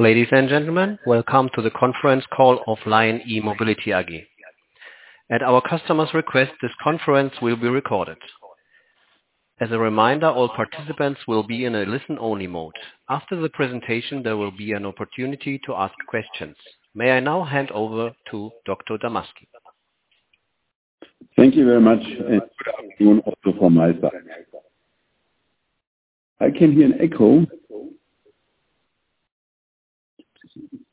Ladies and gentlemen, welcome to the Conference Call of LION E-Mobility AG. At our customer's request, this conference will be recorded. As a reminder, all participants will be in a listen-only mode. After the presentation, there will be an opportunity to ask questions. May I now hand over to Dr. Damasky? Thank you very much, and good afternoon also from my side. I can hear an echo.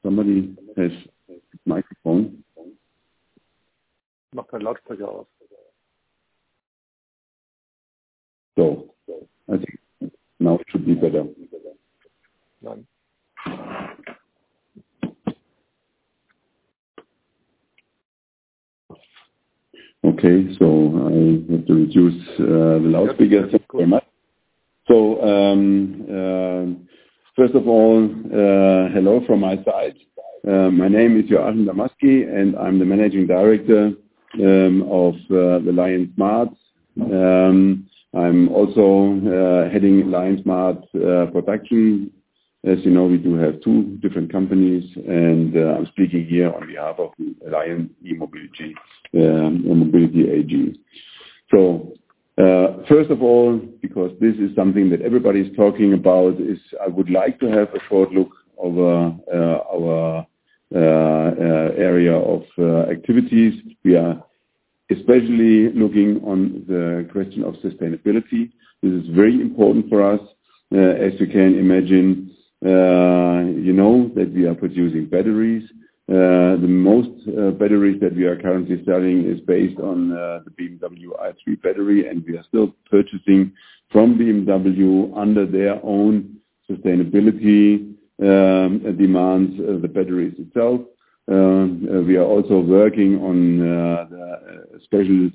Somebody has a microphone. Not a lot for yours. I think now it should be better. None. Okay, so I have to reduce the loudspeaker. Very much. So, first of all, hello from my side. My name is Joachim Damasky, and I'm the managing director of the LION Smart. I'm also heading LION Smart Production. As you know, we do have two different companies, and I'm speaking here on behalf of LION E-Mobility AG. So, first of all, because this is something that everybody's talking about, is I would like to have a short look over our area of activities. We are especially looking on the question of sustainability. This is very important for us. As you can imagine, you know that we are producing batteries. The most batteries that we are currently selling is based on the BMW i3 battery, and we are still purchasing from BMW under their own sustainability demands, the batteries itself. We are also working on a special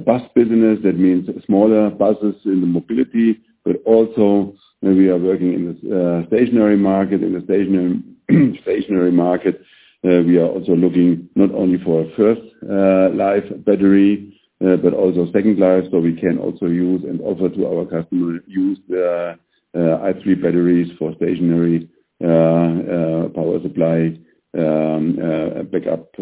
bus business. That means smaller buses in the mobility, but also we are working in the stationary market. In the stationary market, we are also looking not only for a first-life battery but also second-life, so we can also use and offer to our customer use the i3 batteries for stationary power supply backup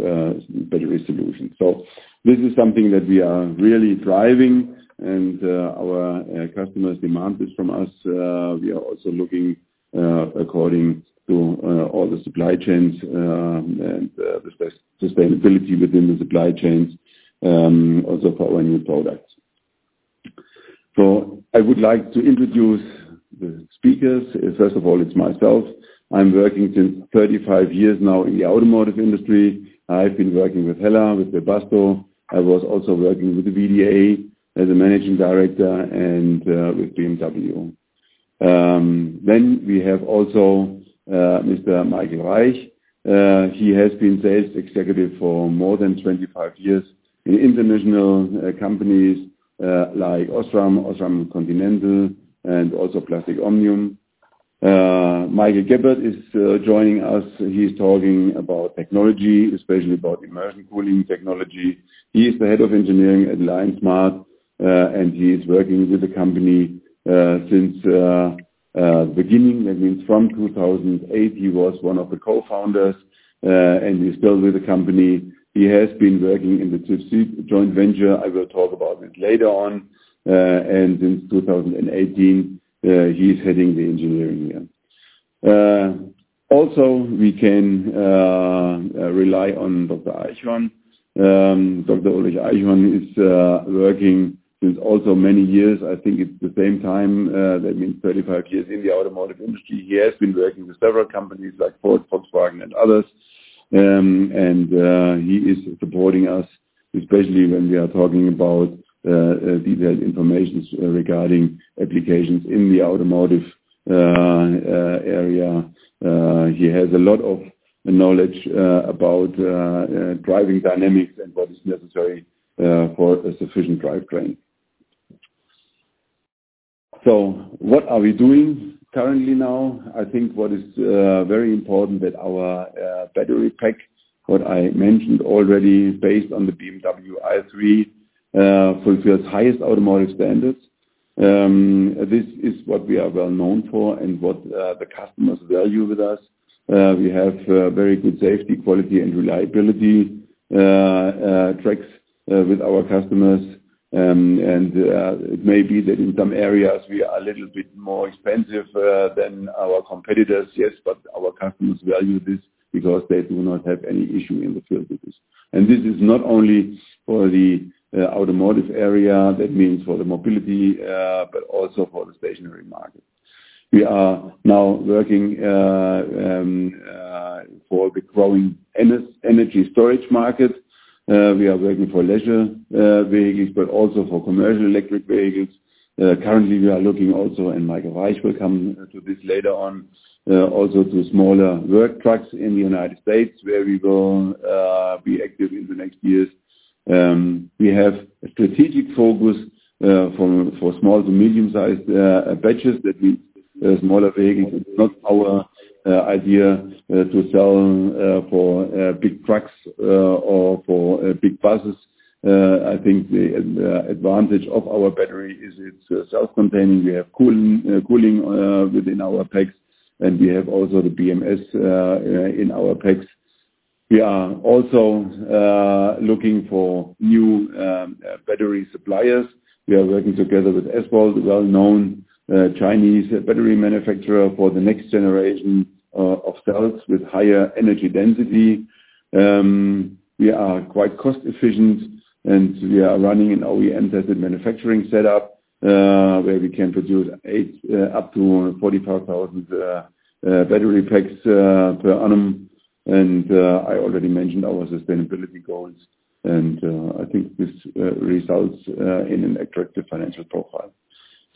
battery solutions. So this is something that we are really driving, and our customer's demand is from us. We are also looking according to all the supply chains and the sustainability within the supply chains also for our new products. So I would like to introduce the speakers. First of all, it's myself. I'm working since 35 years now in the automotive industry. I've been working with Hella, with Webasto. I was also working with the VDA as a Managing Director and with BMW. Then we have also Mr. Michael Reich. He has been sales executive for more than 25 years in international companies like OSRAM, OSRAM Continental, and also Plastic Omnium. Michael Geppert is joining us. He's talking about technology, especially about Immersion cooling technology. He is the head of engineering at LION Smart, and he is working with the company since the beginning. That means from 2008, he was one of the co-founders, and he's still with the company. He has been working in the TÜV SÜD joint venture. I will talk about this later on. Since 2018, he's heading the engineering here. Also, we can rely on Dr. Eichhorn. Dr. Ulrich Eichhorn is working since also many years. I think it's the same time. That means 35 years in the automotive industry. He has been working with several companies like Ford, Volkswagen, and others. He is supporting us, especially when we are talking about detailed information regarding applications in the automotive area. He has a lot of knowledge about driving dynamics and what is necessary for a sufficient drivetrain. What are we doing currently now? I think what is very important that our battery pack, what I mentioned already, based on the BMW i3, fulfills highest automotive standards. This is what we are well known for and what the customers value with us. We have very good safety, quality, and reliability tracks with our customers. It may be that in some areas, we are a little bit more expensive than our competitors. Yes, but our customers value this because they do not have any issue in the field with this. This is not only for the automotive area. That means for the mobility but also for the stationary market. We are now working for the growing energy storage market. We are working for leisure vehicles but also for commercial electric vehicles. Currently, we are looking also, and Michael Reich will come to this later on, also to smaller work trucks in the United States where we will be active in the next years. We have a strategic focus for small to medium-sized batches. That means smaller vehicles. It's not our idea to sell for big trucks or for big buses. I think the advantage of our battery is it's self-contained. We have cooling within our packs, and we have also the BMS in our packs. We are also looking for new battery suppliers. We are working together with SVOLT, a well-known Chinese battery manufacturer for the next generation of cells with higher energy density. We are quite cost-efficient, and we are running an OEM-tested manufacturing setup where we can produce up to 45,000 Battery Packs per annum. And I already mentioned our sustainability goals, and I think this results in an attractive financial profile.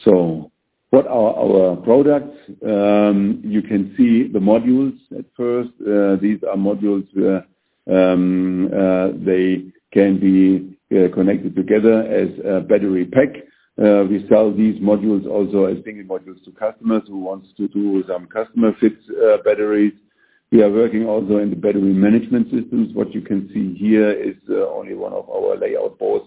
So what are our products? You can see the modules at first. These are modules where they can be connected together as a Battery Pack. We sell these modules also as single modules to customers who want to do some customer-fit batteries. We are working also in the battery management systems. What you can see here is only one of our layout boards,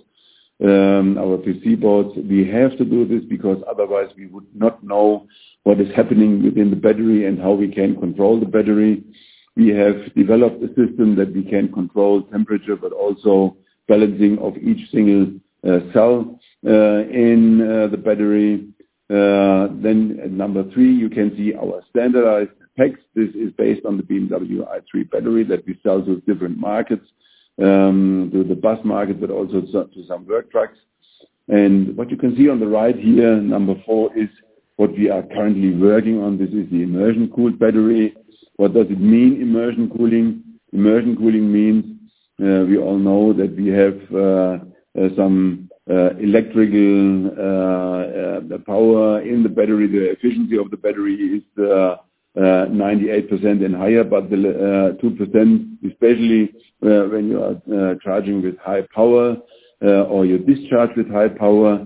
our PC boards. We have to do this because otherwise, we would not know what is happening within the battery and how we can control the battery. We have developed a system that we can control temperature but also balancing of each single cell in the battery. Then number three, you can see our standardized packs. This is based on the BMW i3 battery that we sell to different markets, to the bus market but also to some work trucks. And what you can see on the right here, number four, is what we are currently working on. This is the Immersion cooled battery. What does it mean, Immersion cooling? Immersion cooling means we all know that we have some electrical power in the battery. The efficiency of the battery is 98% and higher, but the 2%, especially when you are charging with high power or you discharge with high power,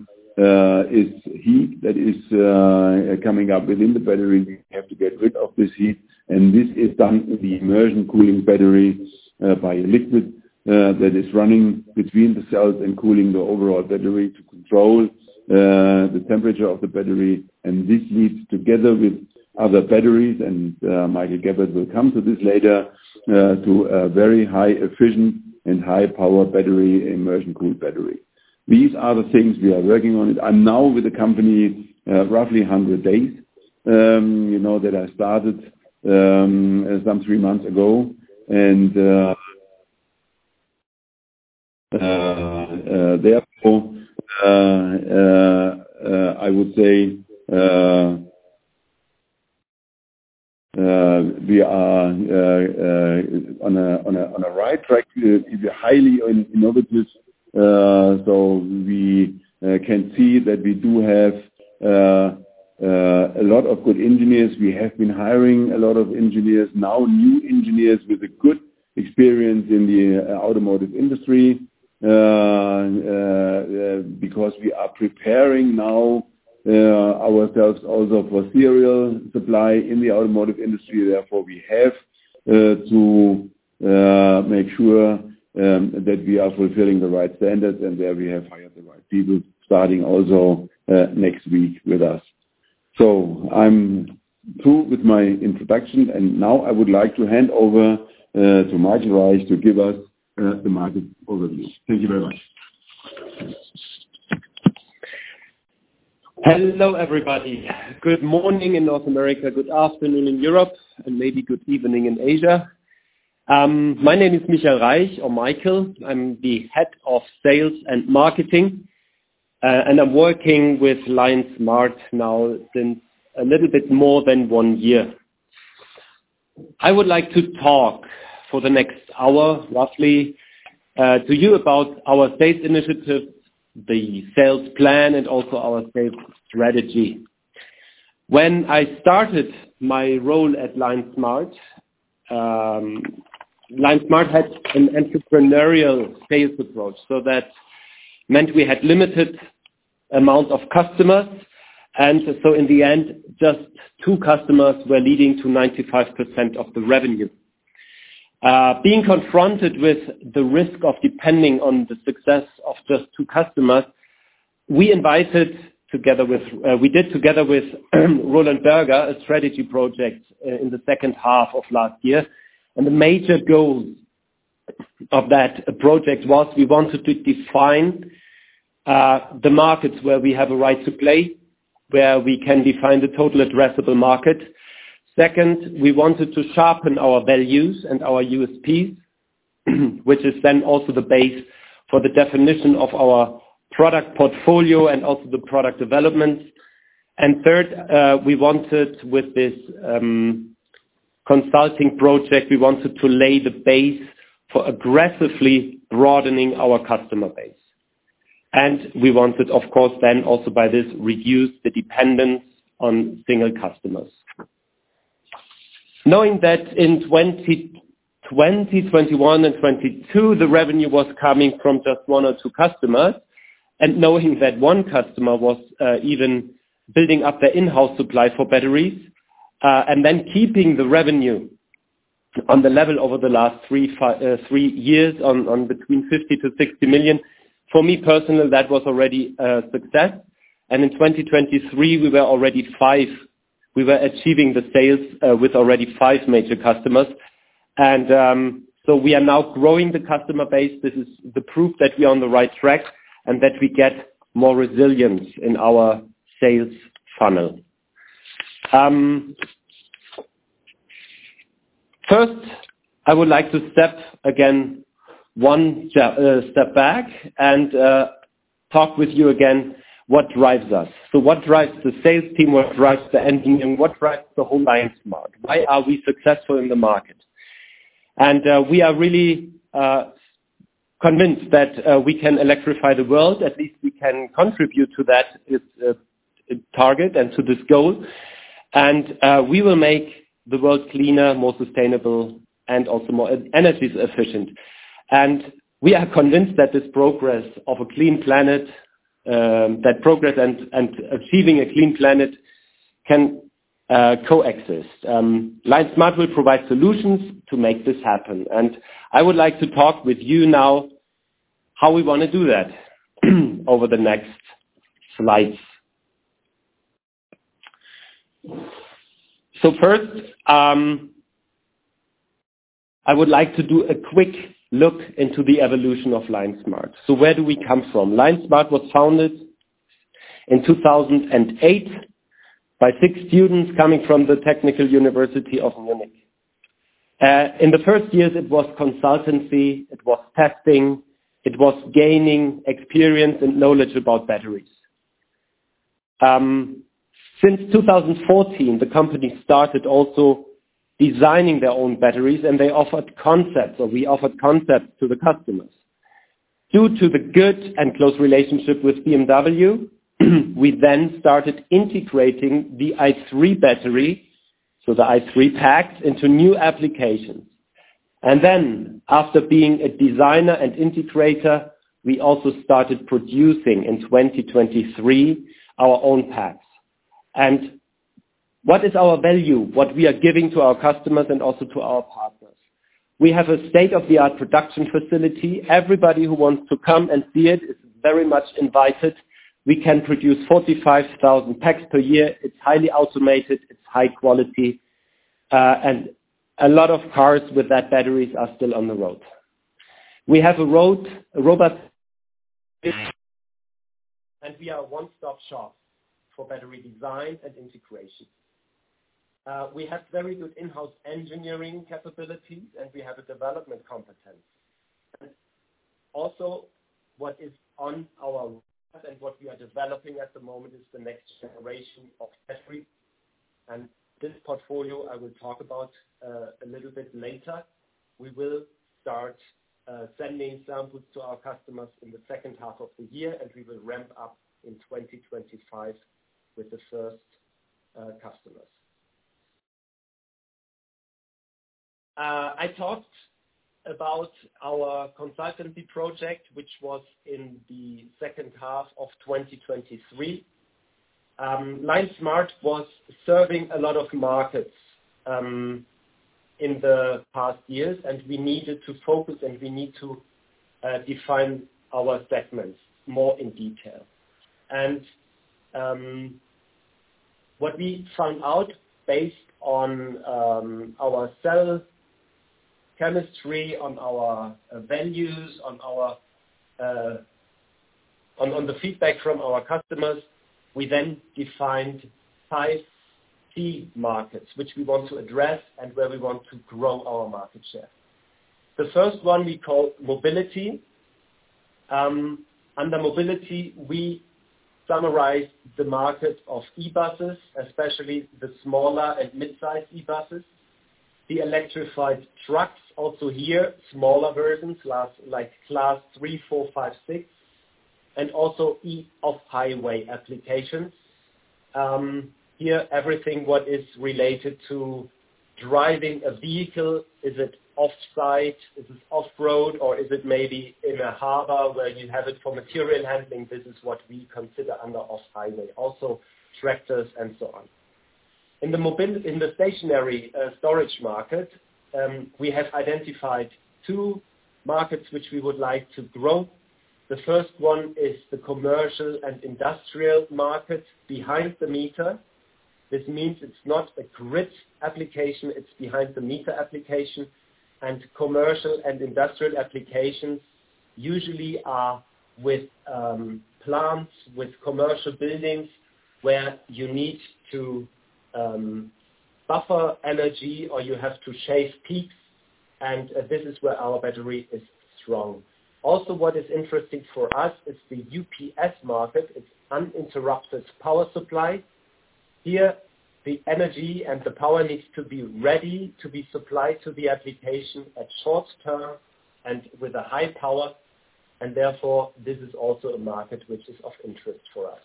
is heat that is coming up within the battery. We have to get rid of this heat. This is done in the Immersion cooling battery by a liquid that is running between the cells and cooling the overall battery to control the temperature of the battery. And this heat, together with other batteries - and Michael Geppert will come to this later - to a very high-efficient and high-power battery, Immersion cooled battery. These are the things we are working on. I'm now with the company roughly 100 days that I started some three months ago. And therefore, I would say we are on a right track. We are highly innovative, so we can see that we do have a lot of good engineers. We have been hiring a lot of engineers, now new engineers with a good experience in the automotive industry because we are preparing now ourselves also for serial supply in the automotive industry. Therefore, we have to make sure that we are fulfilling the right standards, and there we have hired the right people starting also next week with us. So I'm through with my introduction, and now I would like to hand over to Michael Reich to give us the market overview. Thank you very much. Hello, everybody. Good morning in North America, good afternoon in Europe, and maybe good evening in Asia. My name is Michael Reich or Michael. I'm the head of sales and marketing, and I'm working with LION Smart now since a little bit more than one year. I would like to talk for the next hour, roughly, to you about our sales initiative, the sales plan, and also our sales strategy. When I started my role at LION Smart, LION Smart had an entrepreneurial sales approach. So that meant we had limited amounts of customers, and so in the end, just two customers were leading to 95% of the revenue. Being confronted with the risk of depending on the success of just two customers, we did together with Roland Berger a strategy project in the second half of last year. The major goal of that project was we wanted to define the markets where we have a right to play, where we can define the total addressable market. Second, we wanted to sharpen our values and our USPs, which is then also the base for the definition of our product portfolio and also the product developments. And third, we wanted with this consulting project, we wanted to lay the base for aggressively broadening our customer base. And we wanted, of course, then also by this reduce the dependence on single customers. Knowing that in 2021 and 2022, the revenue was coming from just one or two customers and knowing that one customer was even building up their in-house supply for batteries and then keeping the revenue on the level over the last three years on between 50 million-60 million, for me personally, that was already a success. In 2023, we were already five. We were achieving the sales with already five major customers. So we are now growing the customer base. This is the proof that we are on the right track and that we get more resilience in our sales funnel. First, I would like to step again one step back and talk with you again what drives us. So what drives the sales team? What drives the engineering? What drives the whole LION Smart? Why are we successful in the market? And we are really convinced that we can electrify the world. At least we can contribute to that target and to this goal. And we will make the world cleaner, more sustainable, and also more energy-efficient. And we are convinced that this progress of a clean planet that progress and achieving a clean planet can coexist. LION Smart will provide solutions to make this happen. I would like to talk with you now how we want to do that over the next slides. First, I would like to do a quick look into the evolution of LION Smart. So where do we come from? LION Smart was founded in 2008 by six students coming from the Technical University of Munich. In the first years, it was consultancy. It was testing. It was gaining experience and knowledge about batteries. Since 2014, the company started also designing their own batteries, and they offered concepts, or we offered concepts to the customers. Due to the good and close relationship with BMW, we then started integrating the i3 battery, so the i3 packs, into new applications. Then after being a designer and integrator, we also started producing in 2023 our own packs. What is our value, what we are giving to our customers and also to our partners? We have a state-of-the-art production facility. Everybody who wants to come and see it is very much invited. We can produce 45,000 packs per year. It's highly automated. It's high quality. A lot of cars with that batteries are still on the road. We have a robust and we are a one-stop shop for battery design and integration. We have very good in-house engineering capabilities, and we have a development competence. Also, what is on our and what we are developing at the moment is the next generation of batteries. This portfolio, I will talk about a little bit later. We will start sending samples to our customers in the second half of the year, and we will ramp up in 2025 with the first customers. I talked about our consultancy project, which was in the second half of 2023. LION Smart was serving a lot of markets in the past years, and we needed to focus, and we need to define our segments more in detail. What we found out based on our cell chemistry, on our values, on the feedback from our customers, we then defined five key markets which we want to address and where we want to grow our market share. The first one, we called Mobility. Under Mobility, we summarized the market of e-Buses, especially the smaller and midsize e-Buses, the Electrified Trucks also here, smaller versions like Class 3, 4, 5, 6, and also off-highway applications. Here, everything what is related to driving a vehicle: is it off-site? Is it off-road, or is it maybe in a harbor where you have it for material handling? This is what we consider under off-highway, also tractors and so on. In the stationary Storage market, we have identified two markets which we would like to grow. The first one is the commercial and industrial market behind the meter. This means it's not a grid application. It's behind-the-meter application. Commercial and industrial applications usually are with plants, with commercial buildings where you need to buffer energy or you have to shave peaks. And this is where our battery is strong. Also, what is interesting for us is the UPS market. It's uninterruptible power supply. Here, the energy and the power needs to be ready to be supplied to the application at short term and with a high power. Therefore, this is also a market which is of interest for us.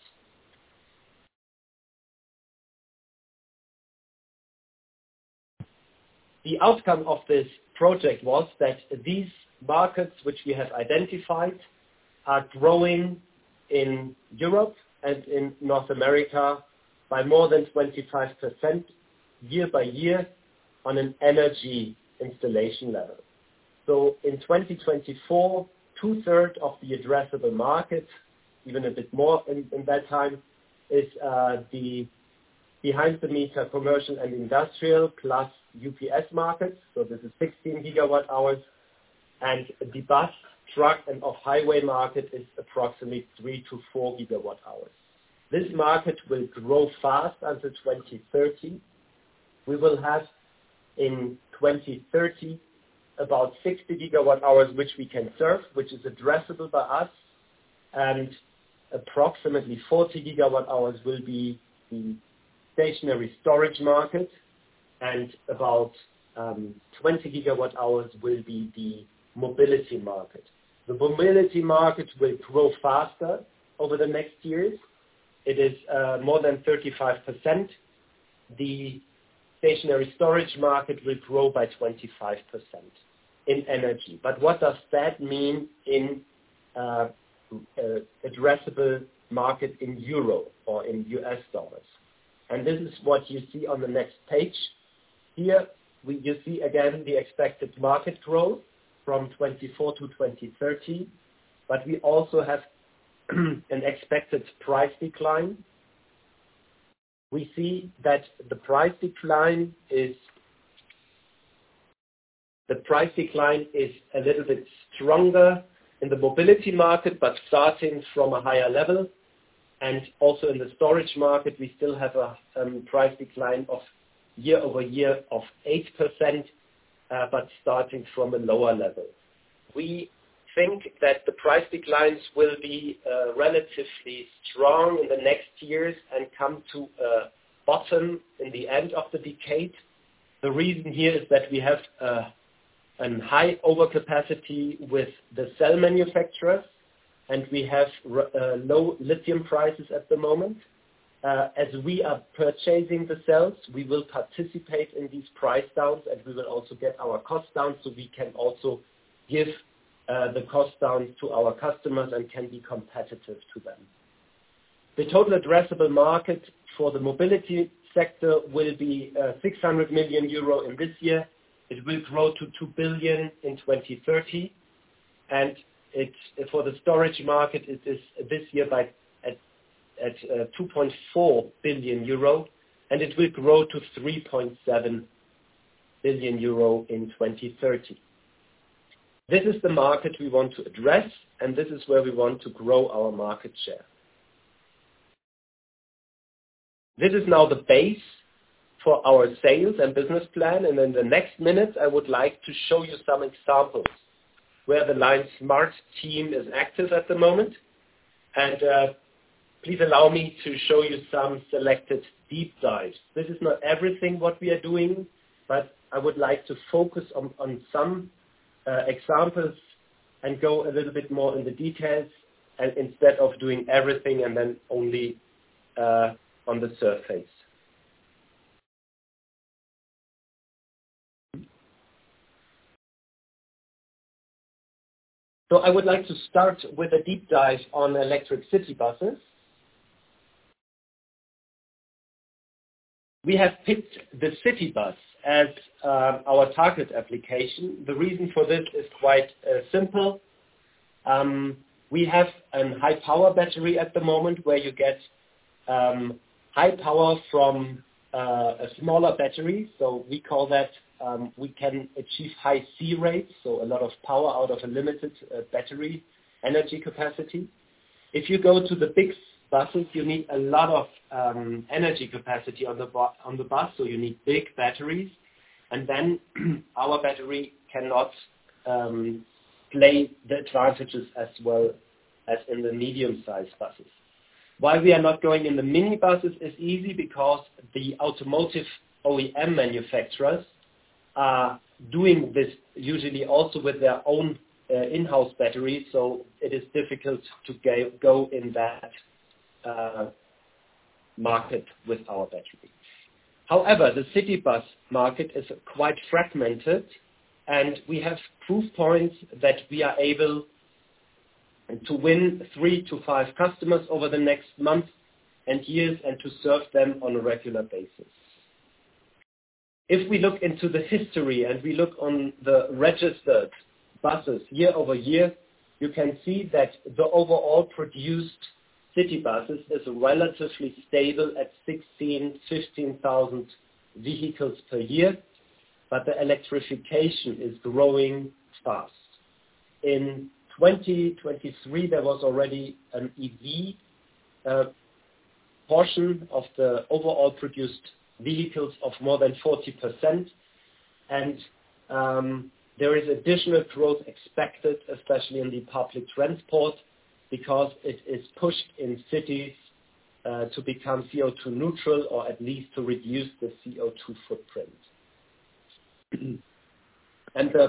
The outcome of this project was that these markets which we have identified are growing in Europe and in North America by more than 25% year by year on an energy installation level. So in 2024, two-thirds of the addressable market, even a bit more in that time, is the behind-the-meter commercial and industrial plus UPS markets. So this is 16 GWh. And the bus, truck, and off-highway market is approximately 3-4 GWh. This market will grow fast until 2030. We will have in 2030 about 60 GWh which we can serve, which is addressable by us. And approximately 40 GWh will be the stationary storage market, and about 20 GWh will be the mobility market. The mobility market will grow faster over the next years. It is more than 35%. The stationary Storage market will grow by 25% in energy. What does that mean in addressable market in EUR or in U.S. dollars? This is what you see on the next page. Here, you see again the expected market growth from 2024 to 2030. We also have an expected price decline. We see that the price decline is a little bit stronger in the mobility market but starting from a higher level. Also in the Storage market, we still have a price decline year-over-year of 8% but starting from a lower level. We think that the price declines will be relatively strong in the next years and come to a bottom in the end of the decade. The reason here is that we have a high overcapacity with the cell manufacturers, and we have low lithium prices at the moment. As we are purchasing the cells, we will participate in these price downs, and we will also get our cost downs so we can also give the cost downs to our customers and can be competitive to them. The total addressable market for the Mobility sector will be 600 million euro in this year. It will grow to 2 billion in 2030. For the Storage market, it is this year at 2.4 billion euro, and it will grow to 3.7 billion euro in 2030. This is the market we want to address, and this is where we want to grow our market share. This is now the base for our sales and business plan. In the next minutes, I would like to show you some examples where the LION Smart team is active at the moment. Please allow me to show you some selected deep dives. This is not everything what we are doing, but I would like to focus on some examples and go a little bit more in the details instead of doing everything and then only on the surface. So I would like to start with a deep dive on electric city buses. We have picked the city bus as our target application. The reason for this is quite simple. We have a high-power battery at the moment where you get high power from a smaller battery. So we call that we can achieve high C-rates, so a lot of power out of a limited battery energy capacity. If you go to the big buses, you need a lot of energy capacity on the bus, so you need big batteries. And then our battery cannot play the advantages as well as in the medium-sized buses. Why we are not going in the mini buses is easy because the automotive OEM manufacturers are doing this usually also with their own in-house batteries. So it is difficult to go in that market with our battery. However, the city bus market is quite fragmented, and we have proof points that we are able to win 3-5 customers over the next months and years and to serve them on a regular basis. If we look into the history and we look on the registered buses year-over-year, you can see that the overall produced city buses is relatively stable at 16,000, 15,000 vehicles per year, but the electrification is growing fast. In 2023, there was already an EV portion of the overall produced vehicles of more than 40%. There is additional growth expected, especially in the public transport, because it is pushed in cities to become CO2-neutral or at least to reduce the CO2 footprint.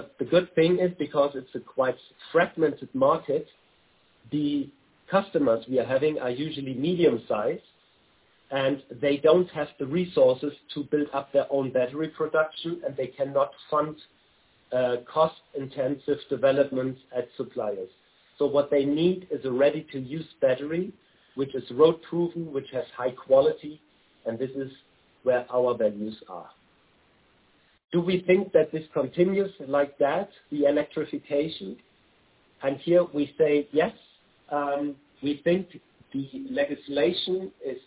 The good thing is, because it's a quite fragmented market, the customers we are having are usually medium-sized, and they don't have the resources to build up their own battery production, and they cannot fund cost-intensive developments at suppliers. What they need is a ready-to-use battery which is road-proven, which has high quality. This is where our values are. Do we think that this continues like that, the electrification? Here we say yes. We think the legislation is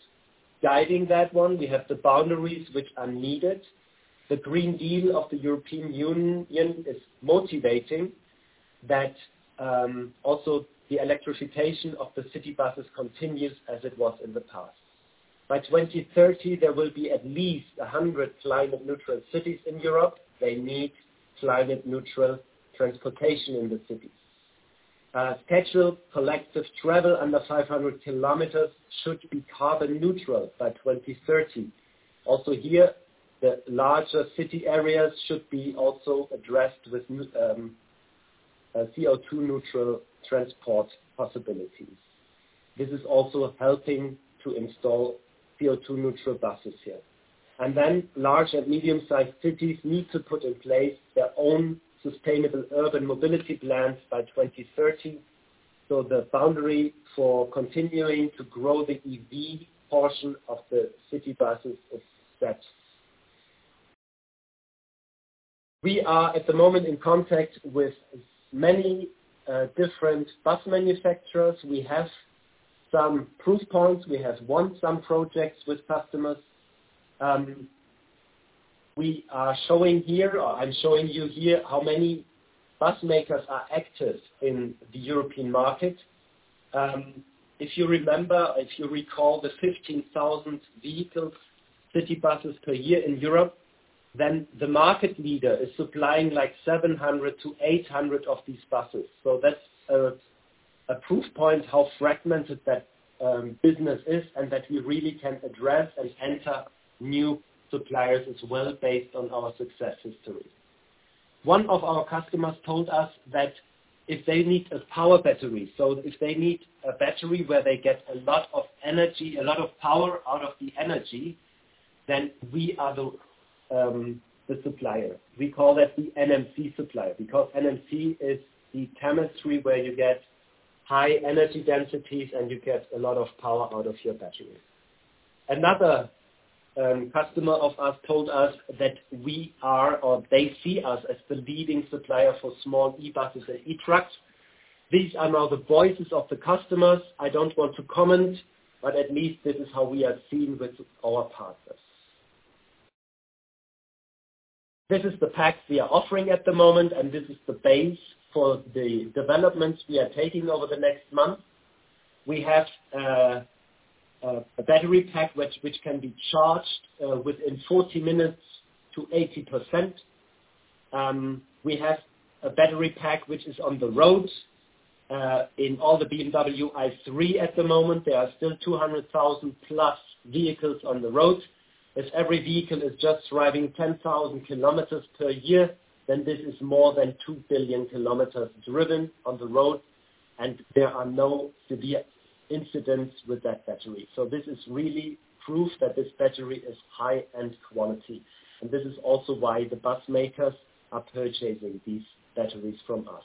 guiding that one. We have the boundaries which are needed. The Green Deal of the European Union is motivating that also the electrification of the city buses continues as it was in the past. By 2030, there will be at least 100 climate-neutral cities in Europe. They need climate-neutral transportation in the cities. Scheduled collective travel under 500 kilometers should be carbon-neutral by 2030. Also here, the larger city areas should be also addressed with CO2-neutral transport possibilities. This is also helping to install CO2-neutral buses here. Then large and medium-sized cities need to put in place their own sustainable urban mobility plans by 2030. The boundary for continuing to grow the EV portion of the city buses is set. We are at the moment in contact with many different bus manufacturers. We have some proof points. We have won some projects with customers. We are showing here or I'm showing you here how many bus makers are active in the European market. If you remember, if you recall the 15,000 vehicles, city buses per year in Europe, then the market leader is supplying 700-800 of these buses. So that's a proof point how fragmented that business is and that we really can address and enter new suppliers as well based on our success history. One of our customers told us that if they need a power battery so if they need a battery where they get a lot of energy, a lot of power out of the energy, then we are the supplier. We call that the NMC supplier because NMC is the chemistry where you get high energy densities, and you get a lot of power out of your batteries. Another customer of ours told us that we are or they see us as the leading supplier for small e-buses and e-trucks. These are now the voices of the customers. I don't want to comment, but at least this is how we are seen with our partners. This is the pack we are offering at the moment, and this is the base for the developments we are taking over the next month. We have a Battery Pack which can be charged within 40 minutes to 80%. We have a Battery Pack which is on the road. In all the BMW i3 at the moment, there are still 200,000+ vehicles on the road. If every vehicle is just driving 10,000 km per year, then this is more than 2 billion km driven on the road, and there are no severe incidents with that battery. So this is really proof that this battery is high-end quality. And this is also why the bus makers are purchasing these batteries from us.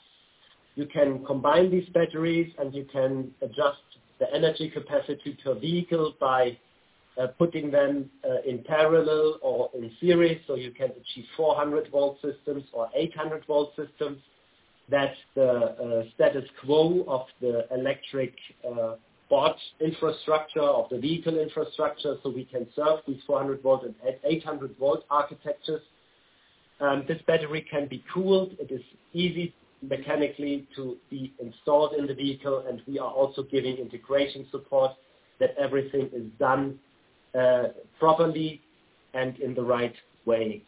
You can combine these batteries, and you can adjust the energy capacity per vehicle by putting them in parallel or in series so you can achieve 400-volt systems or 800-volt systems. That's the status quo of the electric board infrastructure of the vehicle infrastructure so we can serve these 400-volt and 800-volt architectures. This battery can be cooled. It is easy mechanically to be installed in the vehicle, and we are also giving integration support that everything is done properly and in the right way.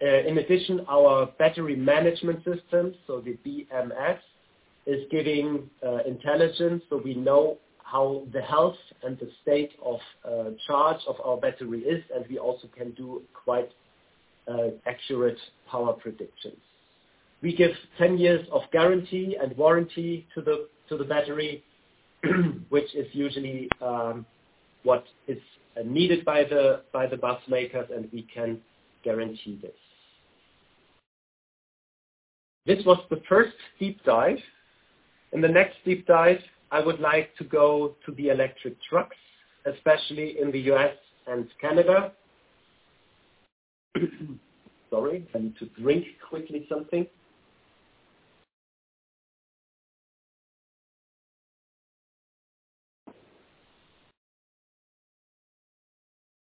In addition, our battery management system, so the BMS, is giving intelligence so we know how the health and the state of charge of our battery is, and we also can do quite accurate power predictions. We give 10 years of guarantee and warranty to the battery, which is usually what is needed by the bus makers, and we can guarantee this. This was the first deep dive. In the next deep dive, I would like to go to the electric trucks, especially in the U.S. and Canada. Sorry. And to drink quickly something.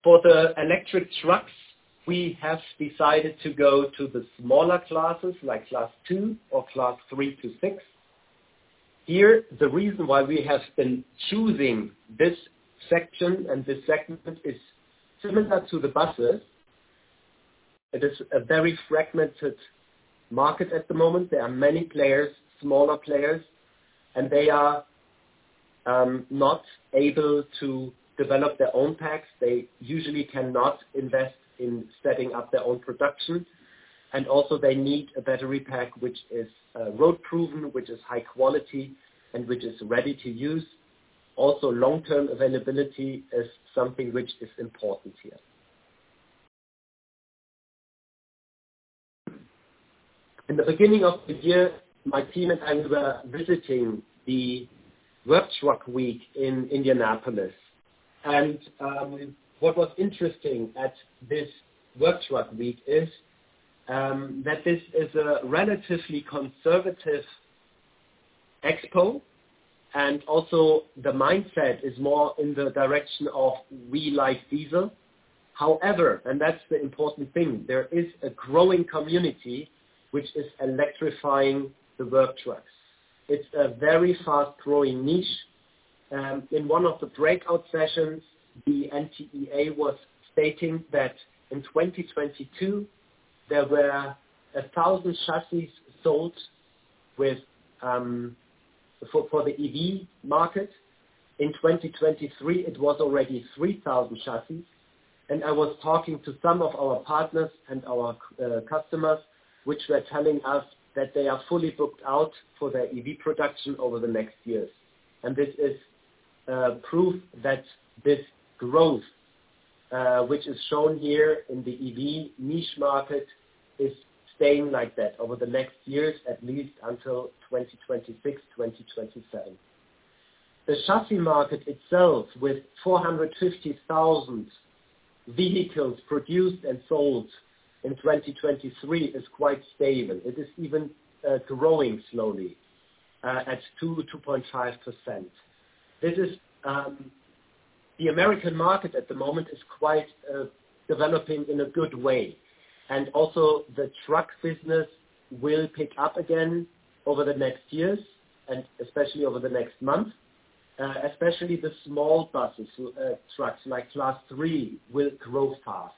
For the electric trucks, we have decided to go to the smaller classes like Class 2 or Class 3-6. Here, the reason why we have been choosing this section and this segment is similar to the buses. It is a very fragmented market at the moment. There are many players, smaller players, and they are not able to develop their own packs. They usually cannot invest in setting up their own production. And also, they need a Battery Pack which is road-proven, which is high quality, and which is ready to use. Also, long-term availability is something which is important here. In the beginning of the year, my team and I were visiting the Work Truck Week in Indianapolis. What was interesting at this Work Truck Week is that this is a relatively conservative expo, and also the mindset is more in the direction of we like diesel. However, and that's the important thing. There is a growing community which is electrifying the work trucks. It's a very fast-growing niche. In one of the breakout sessions, the NTEA was stating that in 2022, there were 1,000 chassis sold for the EV market. In 2023, it was already 3,000 chassis. And I was talking to some of our partners and our customers, which were telling us that they are fully booked out for their EV production over the next years. This is proof that this growth, which is shown here in the EV niche market, is staying like that over the next years, at least until 2026, 2027. The chassis market itself, with 450,000 vehicles produced and sold in 2023, is quite stable. It is even growing slowly at 2%-2.5%. The American market at the moment is quite developing in a good way. And also, the truck business will pick up again over the next years, and especially over the next month. Especially the small buses, trucks like Class 3 will grow fast.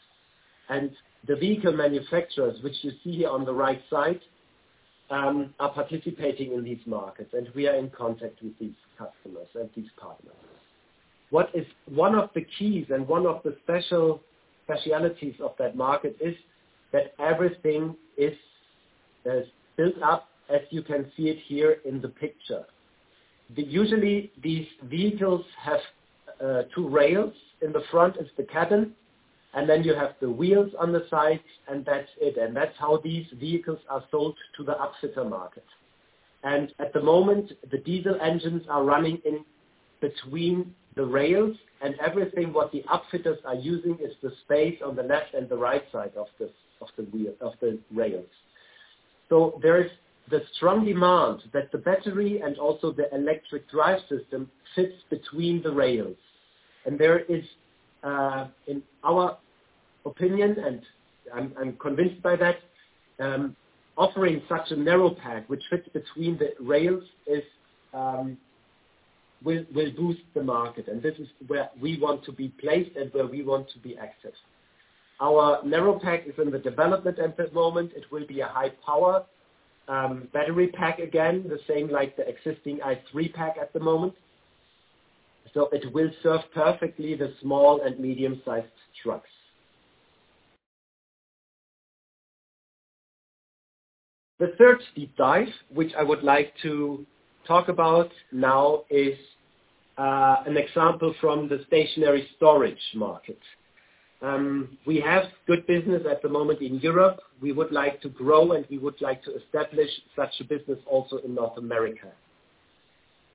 And the vehicle manufacturers, which you see here on the right side, are participating in these markets, and we are in contact with these customers and these partners. One of the keys and one of the specialties of that market is that everything is built up, as you can see it here in the picture. Usually, these vehicles have two rails. In the front is the cabin, and then you have the wheels on the sides, and that's it. And that's how these vehicles are sold to the upfitter market. And at the moment, the diesel engines are running in between the rails, and everything what the upfitters are using is the space on the left and the right side of the rails. So there is the strong demand that the battery and also the electric drive system fits between the rails. And there is, in our opinion, and I'm convinced by that, offering such a narrow pack which fits between the rails will boost the market. This is where we want to be placed and where we want to be accessed. Our narrow pack is in the development at the moment. It will be a high-power battery pack again, the same like the existing i3 pack at the moment. It will serve perfectly the small and medium-sized trucks. The third deep dive, which I would like to talk about now, is an example from the stationary Storage market. We have good business at the moment in Europe. We would like to grow, and we would like to establish such a business also in North America.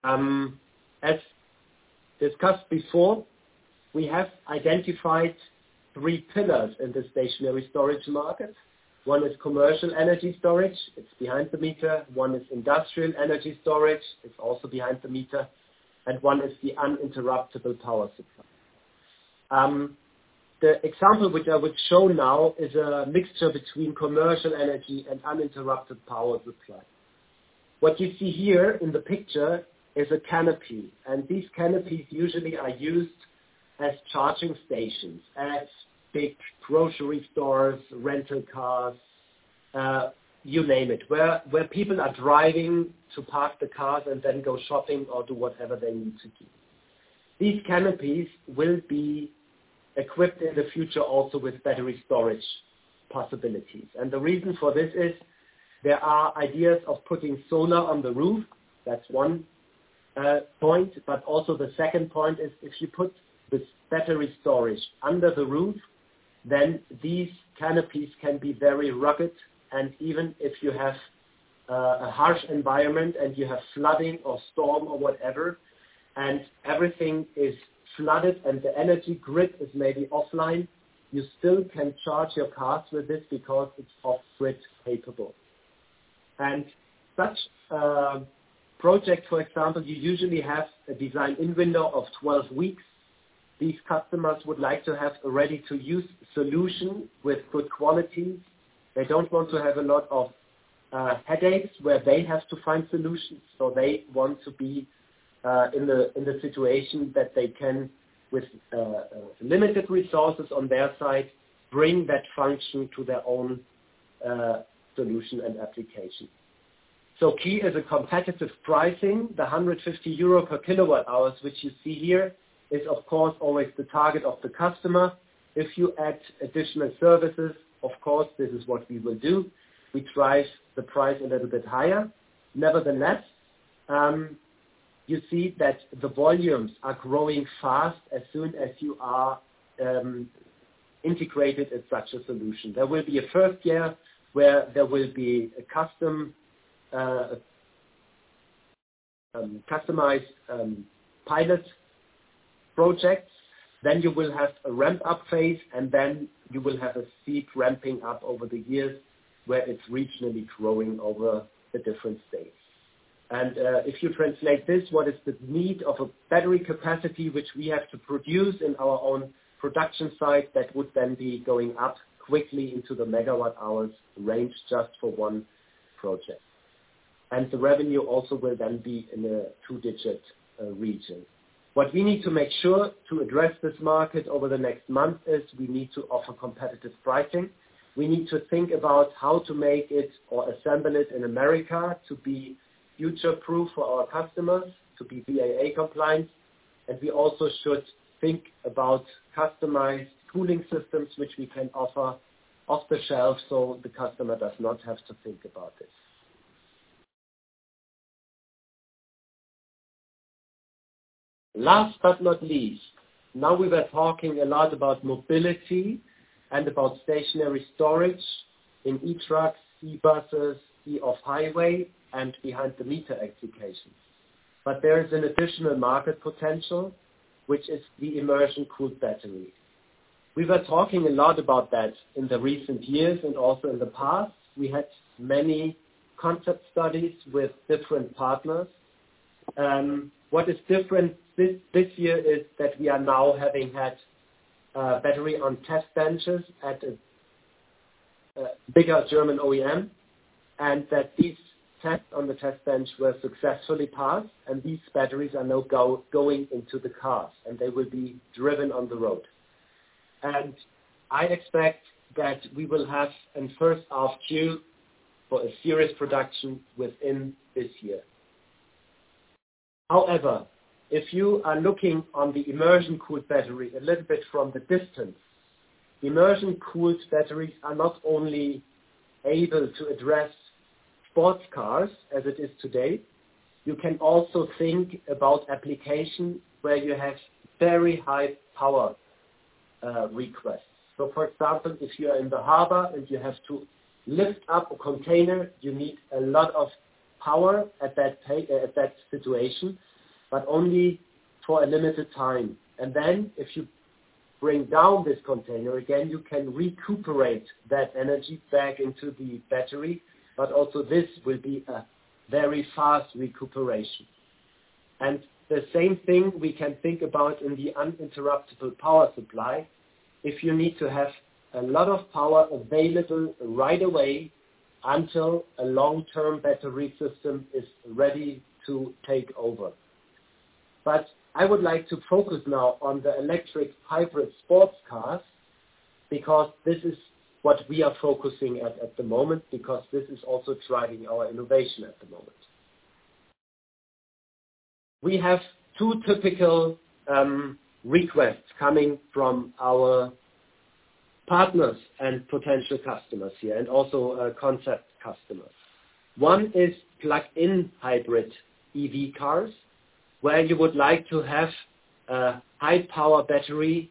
As discussed before, we have identified three pillars in the stationary Storage market. One is commercial energy storage. It's behind the meter. One is industrial energy storage. It's also behind the meter. One is the uninterruptible power supply. The example which I would show now is a mixture between commercial energy and uninterrupted power supply. What you see here in the picture is a canopy. These canopies usually are used as charging stations, as big grocery stores, rental cars, you name it, where people are driving to park the cars and then go shopping or do whatever they need to do. These canopies will be equipped in the future also with battery storage possibilities. The reason for this is there are ideas of putting solar on the roof. That's one point. But also the second point is if you put this battery storage under the roof, then these canopies can be very rugged. Even if you have a harsh environment and you have flooding or storm or whatever, and everything is flooded and the energy grid is maybe offline, you still can charge your cars with this because it's off-grid capable. Such projects, for example, you usually have a design-in-window of 12 weeks. These customers would like to have a ready-to-use solution with good quality. They don't want to have a lot of headaches where they have to find solutions. They want to be in the situation that they can, with limited resources on their side, bring that function to their own solution and application. Key is a competitive pricing. The 150 euro per kWh, which you see here, is, of course, always the target of the customer. If you add additional services, of course, this is what we will do. We drive the price a little bit higher. Nevertheless, you see that the volumes are growing fast as soon as you are integrated in such a solution. There will be a first year where there will be customized pilot projects. Then you will have a ramp-up phase, and then you will have a steep ramping up over the years where it's regionally growing over the different states. And if you translate this, what is the need of a battery capacity which we have to produce in our own production site that would then be going up quickly into the megawatt-hours range just for one project? And the revenue also will then be in a two-digit region. What we need to make sure to address this market over the next month is we need to offer competitive pricing. We need to think about how to make it or assemble it in America to be future-proof for our customers, to be IRA compliant. We also should think about customized cooling systems which we can offer off the shelf so the customer does not have to think about this. Last but not least, now we were talking a lot about mobility and about stationary storage in e-Trucks, e-Buses, e-Off-Highway, and behind-the-meter applications. But there is an additional market potential, which is the Immersion-cooled battery. We were talking a lot about that in the recent years and also in the past. We had many concept studies with different partners. What is different this year is that we are now having had battery on test benches at a bigger German OEM and that these tests on the test bench were successfully passed, and these batteries are now going into the cars, and they will be driven on the road. I expect that we will have a first RFQ for a series production within this year. However, if you are looking on the Immersion cooled battery a little bit from the distance, Immersion cooled batteries are not only able to address sports cars as it is today. You can also think about applications where you have very high power requests. So for example, if you are in the harbor and you have to lift up a container, you need a lot of power at that situation, but only for a limited time. And then if you bring down this container again, you can recuperate that energy back into the battery. But also this will be a very fast recuperation. And the same thing we can think about in the uninterruptible power supply. If you need to have a lot of power available right away until a long-term battery system is ready to take over. But I would like to focus now on the electric hybrid sports cars because this is what we are focusing at at the moment, because this is also driving our innovation at the moment. We have two typical requests coming from our partners and potential customers here and also concept customers. One is plug-in hybrid EV cars where you would like to have a high-power battery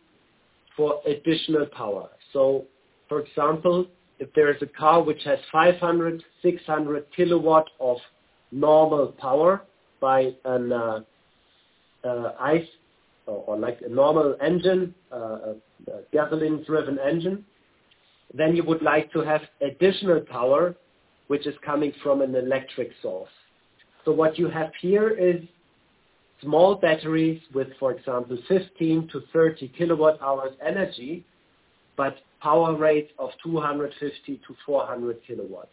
for additional power. So for example, if there is a car which has 500-600 kW of normal power by an ICE or a normal engine, a gasoline-driven engine, then you would like to have additional power which is coming from an electric source. So what you have here is small batteries with, for example, 15-30 kWh energy, but power rates of 250-400 kW.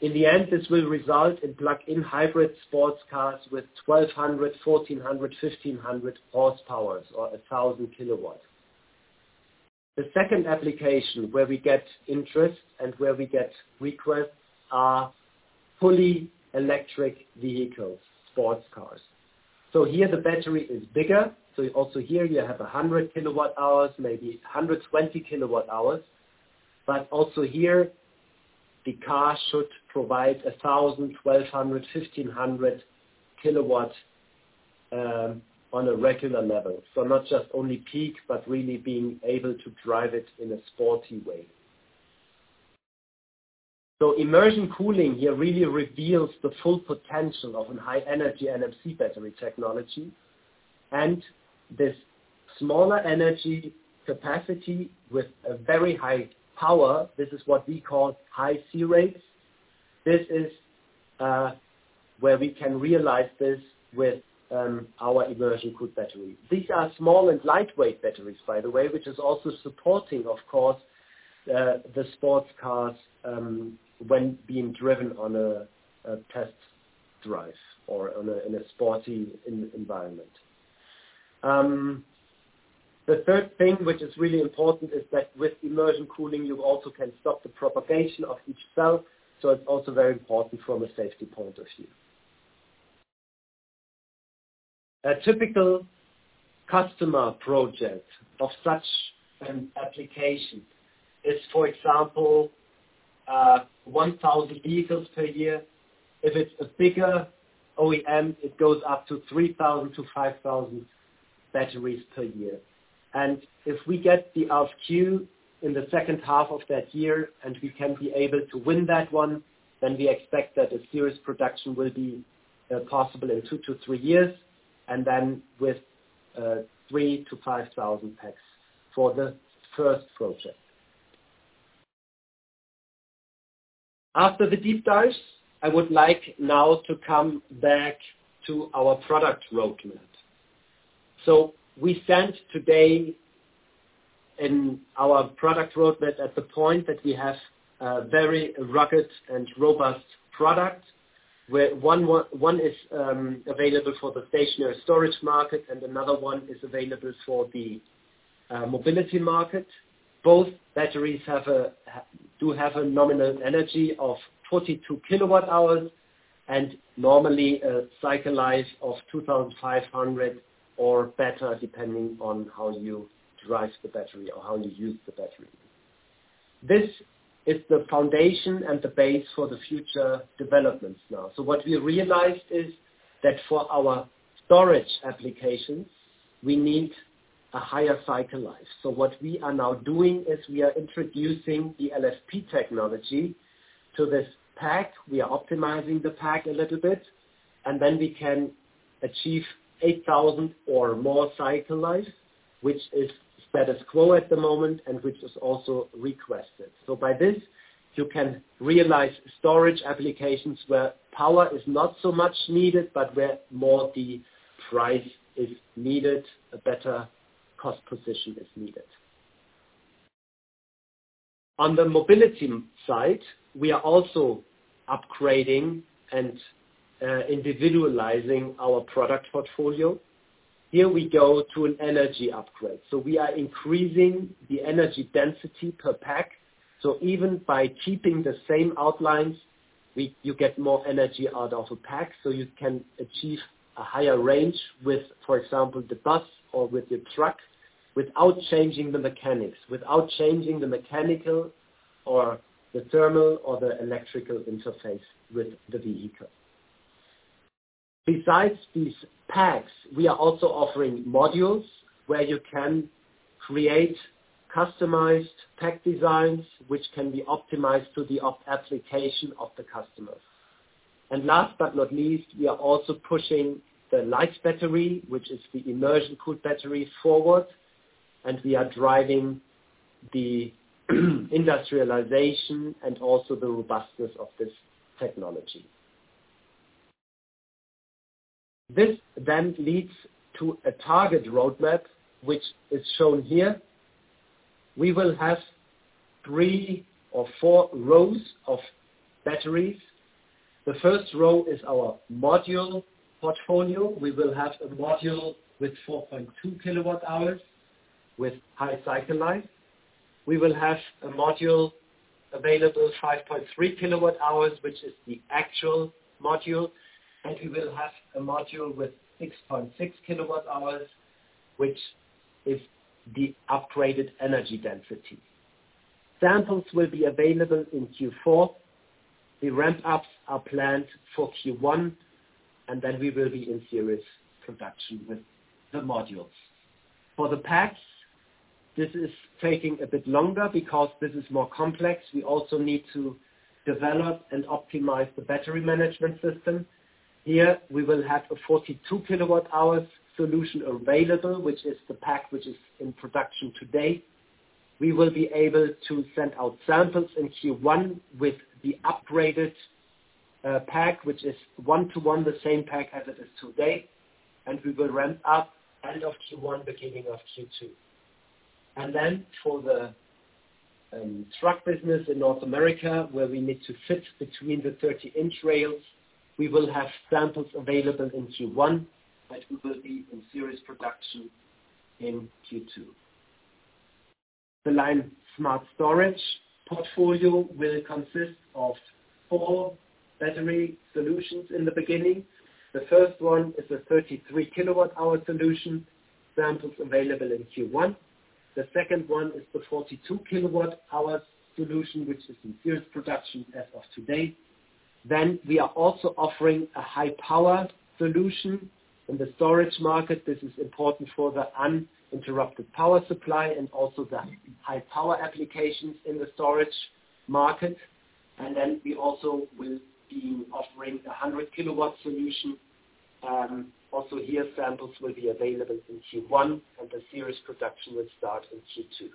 In the end, this will result in plug-in hybrid sports cars with 1,200, 1,400, 1,500 horsepowers or 1,000 kW. The second application where we get interest and where we get requests are fully electric vehicles, sports cars. So here the battery is bigger. So also here, you have 100 kWh, maybe 120 kWh. But also here, the car should provide 1,000, 1,200, 1,500 kW on a regular level, so not just only peak, but really being able to drive it in a sporty way. So Immersion cooling here really reveals the full potential of a high-energy NMC battery technology. This smaller energy capacity with a very high power, this is what we call high C-rates. This is where we can realize this with our Immersion cooled battery. These are small and lightweight batteries, by the way, which is also supporting, of course, the sports cars when being driven on a test drive or in a sporty environment. The third thing which is really important is that with Immersion cooling, you also can stop the propagation of each cell. So it's also very important from a safety point of view. A typical customer project of such an application is, for example, 1,000 vehicles per year. If it's a bigger OEM, it goes up to 3,000-5,000 batteries per year. If we get the RFQ in the second half of that year and we can be able to win that one, then we expect that a series production will be possible in 2-3 years, and then with 3,000-5,000 packs for the first project. After the deep dives, I would like now to come back to our product roadmap. We sent today in our product roadmap at the point that we have a very rugged and robust product where one is available for the stationary Storage market, and another one is available for the Mobility market. Both batteries do have a nominal energy of 42 kWh and normally a cycle life of 2,500 or better, depending on how you drive the battery or how you use the battery. This is the foundation and the base for the future developments now. So what we realized is that for our storage applications, we need a higher cycle life. So what we are now doing is we are introducing the LFP technology to this pack. We are optimizing the pack a little bit, and then we can achieve 8,000 or more cycle life, which is status quo at the moment and which is also requested. So by this, you can realize storage applications where power is not so much needed, but where more the price is needed, a better cost position is needed. On the mobility side, we are also upgrading and individualizing our product portfolio. Here we go to an energy upgrade. So we are increasing the energy density per pack. So even by keeping the same outlines, you get more energy out of a pack. So you can achieve a higher range with, for example, the bus or with the truck without changing the mechanics, without changing the mechanical or the thermal or the electrical interface with the vehicle. Besides these packs, we are also offering modules where you can create customized pack designs which can be optimized to the application of the customers. And last but not least, we are also pushing the LION LIGHT battery, which is the immersion-cooled battery, forward. And we are driving the industrialization and also the robustness of this technology. This then leads to a target roadmap which is shown here. We will have three or four rows of batteries. The first row is our module portfolio. We will have a module with 4.2 kWh with high cycle life. We will have a module available 5.3 kWh, which is the actual module. We will have a module with 6.6 kWh, which is the upgraded energy density. Samples will be available in Q4. The ramp-ups are planned for Q1, and then we will be in series production with the modules. For the packs, this is taking a bit longer because this is more complex. We also need to develop and optimize the battery management system. Here, we will have a 42 kWh solution available, which is the pack which is in production today. We will be able to send out samples in Q1 with the upgraded pack, which is one-to-one the same pack as it is today. We will ramp up end of Q1, beginning of Q2. Then for the truck business in North America, where we need to fit between the 30-inch rails, we will have samples available in Q1, but we will be in series production in Q2. The LION Smart Storage portfolio will consist of four battery solutions in the beginning. The first one is a 33 kWh solution, samples available in Q1. The second one is the 42 kWh solution, which is in series production as of today. We are also offering a high-power solution in the storage market. This is important for the uninterruptible power supply and also the high-power applications in the storage market. We also will be offering a 100 kWh solution. Also here, samples will be available in Q1, and the series production will start in Q2.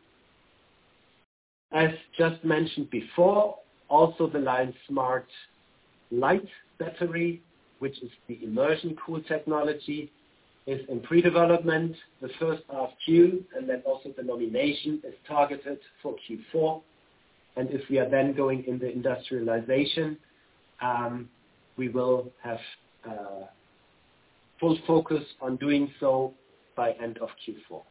As just mentioned before, also the LION LIGHT battery, which is the immersion-cooled technology, is in pre-development. The first RFQ and then also the nomination is targeted for Q4. If we are then going in the industrialization, we will have full focus on doing so by end of Q4.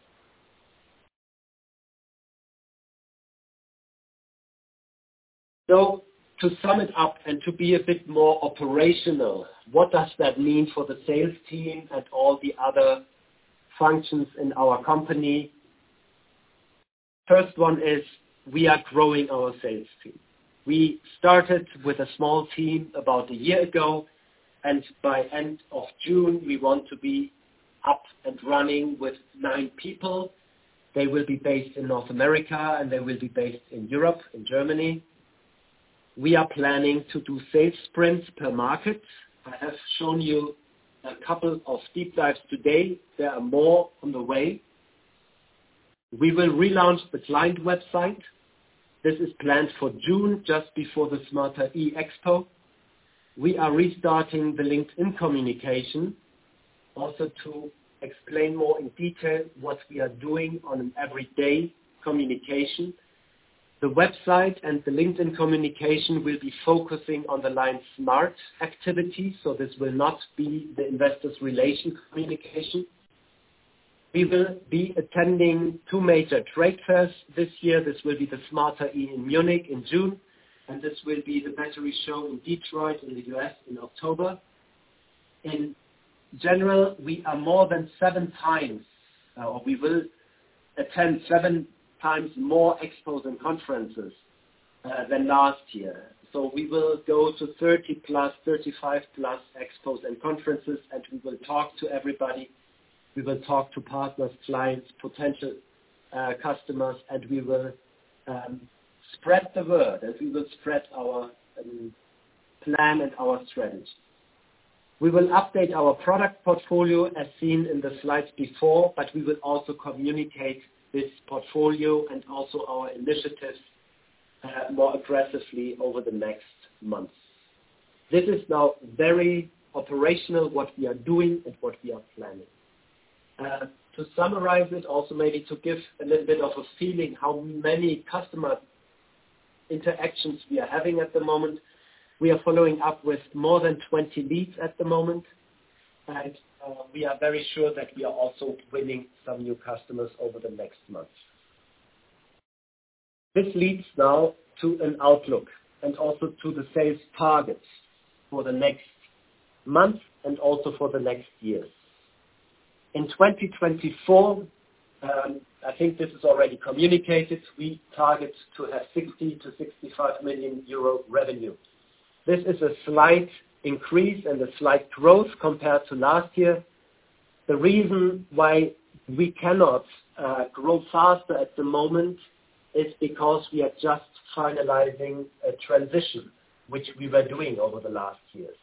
So to sum it up and to be a bit more operational, what does that mean for the sales team and all the other functions in our company? First one is we are growing our sales team. We started with a small team about a year ago. By end of June, we want to be up and running with nine people. They will be based in North America, and they will be based in Europe, in Germany. We are planning to do sales sprints per market. I have shown you a couple of deep dives today. There are more on the way. We will relaunch the LION website. This is planned for June just before the Smarter E Expo. We are restarting the LinkedIn communication also to explain more in detail what we are doing on an everyday communication. The website and the LinkedIn communication will be focusing on the LION Smart activities. So this will not be the investor relations communication. We will be attending two major trade fairs this year. This will be The smarter E in Munich in June, and this will be The Battery Show in Detroit in the U.S. in October. In general, we are more than seven times or we will attend seven times more expos and conferences than last year. So we will go to 30+, 35+ expos and conferences, and we will talk to everybody. We will talk to partners, clients, potential customers, and we will spread the word, and we will spread our plan and our strategy. We will update our product portfolio as seen in the slides before, but we will also communicate this portfolio and also our initiatives more aggressively over the next months. This is now very operational, what we are doing and what we are planning. To summarize it, also maybe to give a little bit of a feeling how many customer interactions we are having at the moment, we are following up with more than 20 leads at the moment. We are very sure that we are also winning some new customers over the next months. This leads now to an outlook and also to the sales targets for the next month and also for the next year. In 2024, I think this is already communicated, we target to have 60 million-65 million euro revenue. This is a slight increase and a slight growth compared to last year. The reason why we cannot grow faster at the moment is because we are just finalizing a transition, which we were doing over the last years.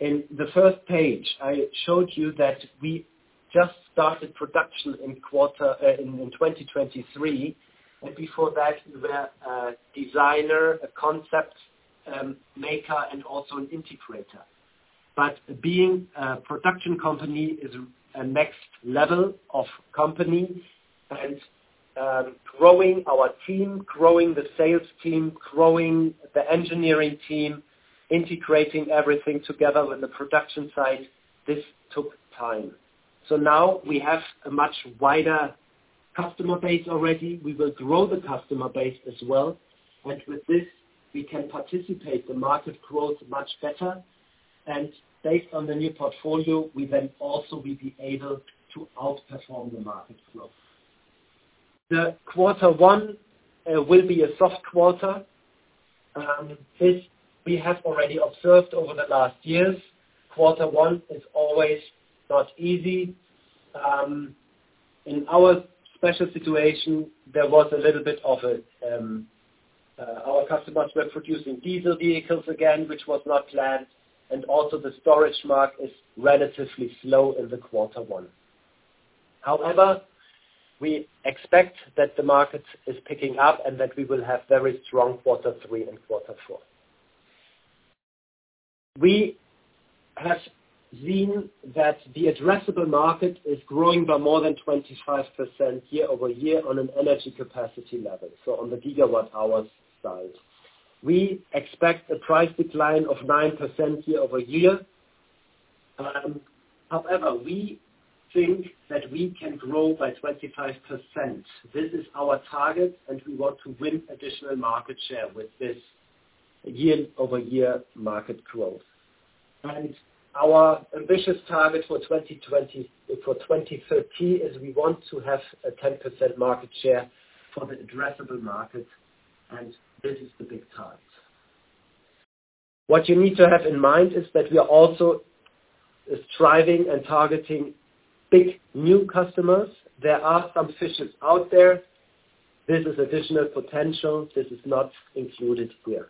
In the first page, I showed you that we just started production in Q1 2023. Before that, we were a designer, a concept maker, and also an integrator. But being a production company is a next level of company. Growing our team, growing the sales team, growing the engineering team, integrating everything together with the production side, this took time. Now we have a much wider customer base already. We will grow the customer base as well. With this, we can participate the market growth much better. Based on the new portfolio, we then also will be able to outperform the market growth. The Q1 will be a soft quarter. This we have already observed over the last years. Q1 is always not easy. In our special situation, there was a little bit of our customers were producing diesel vehicles again, which was not planned. Also the Storage market is relatively slow in the quarter one. However, we expect that the market is picking up and that we will have very strong quarter three and quarter four. We have seen that the addressable market is growing by more than 25% year-over-year on an energy capacity level, so on the gigawatt-hours side. We expect a price decline of 9% year-over-year. However, we think that we can grow by 25%. This is our target, and we want to win additional market share with this year-over-year market growth. Our ambitious target for 2030 is we want to have a 10% market share for the addressable market. This is the big target. What you need to have in mind is that we are also striving and targeting big new customers. There are some big fish out there. This is additional potential. This is not included here.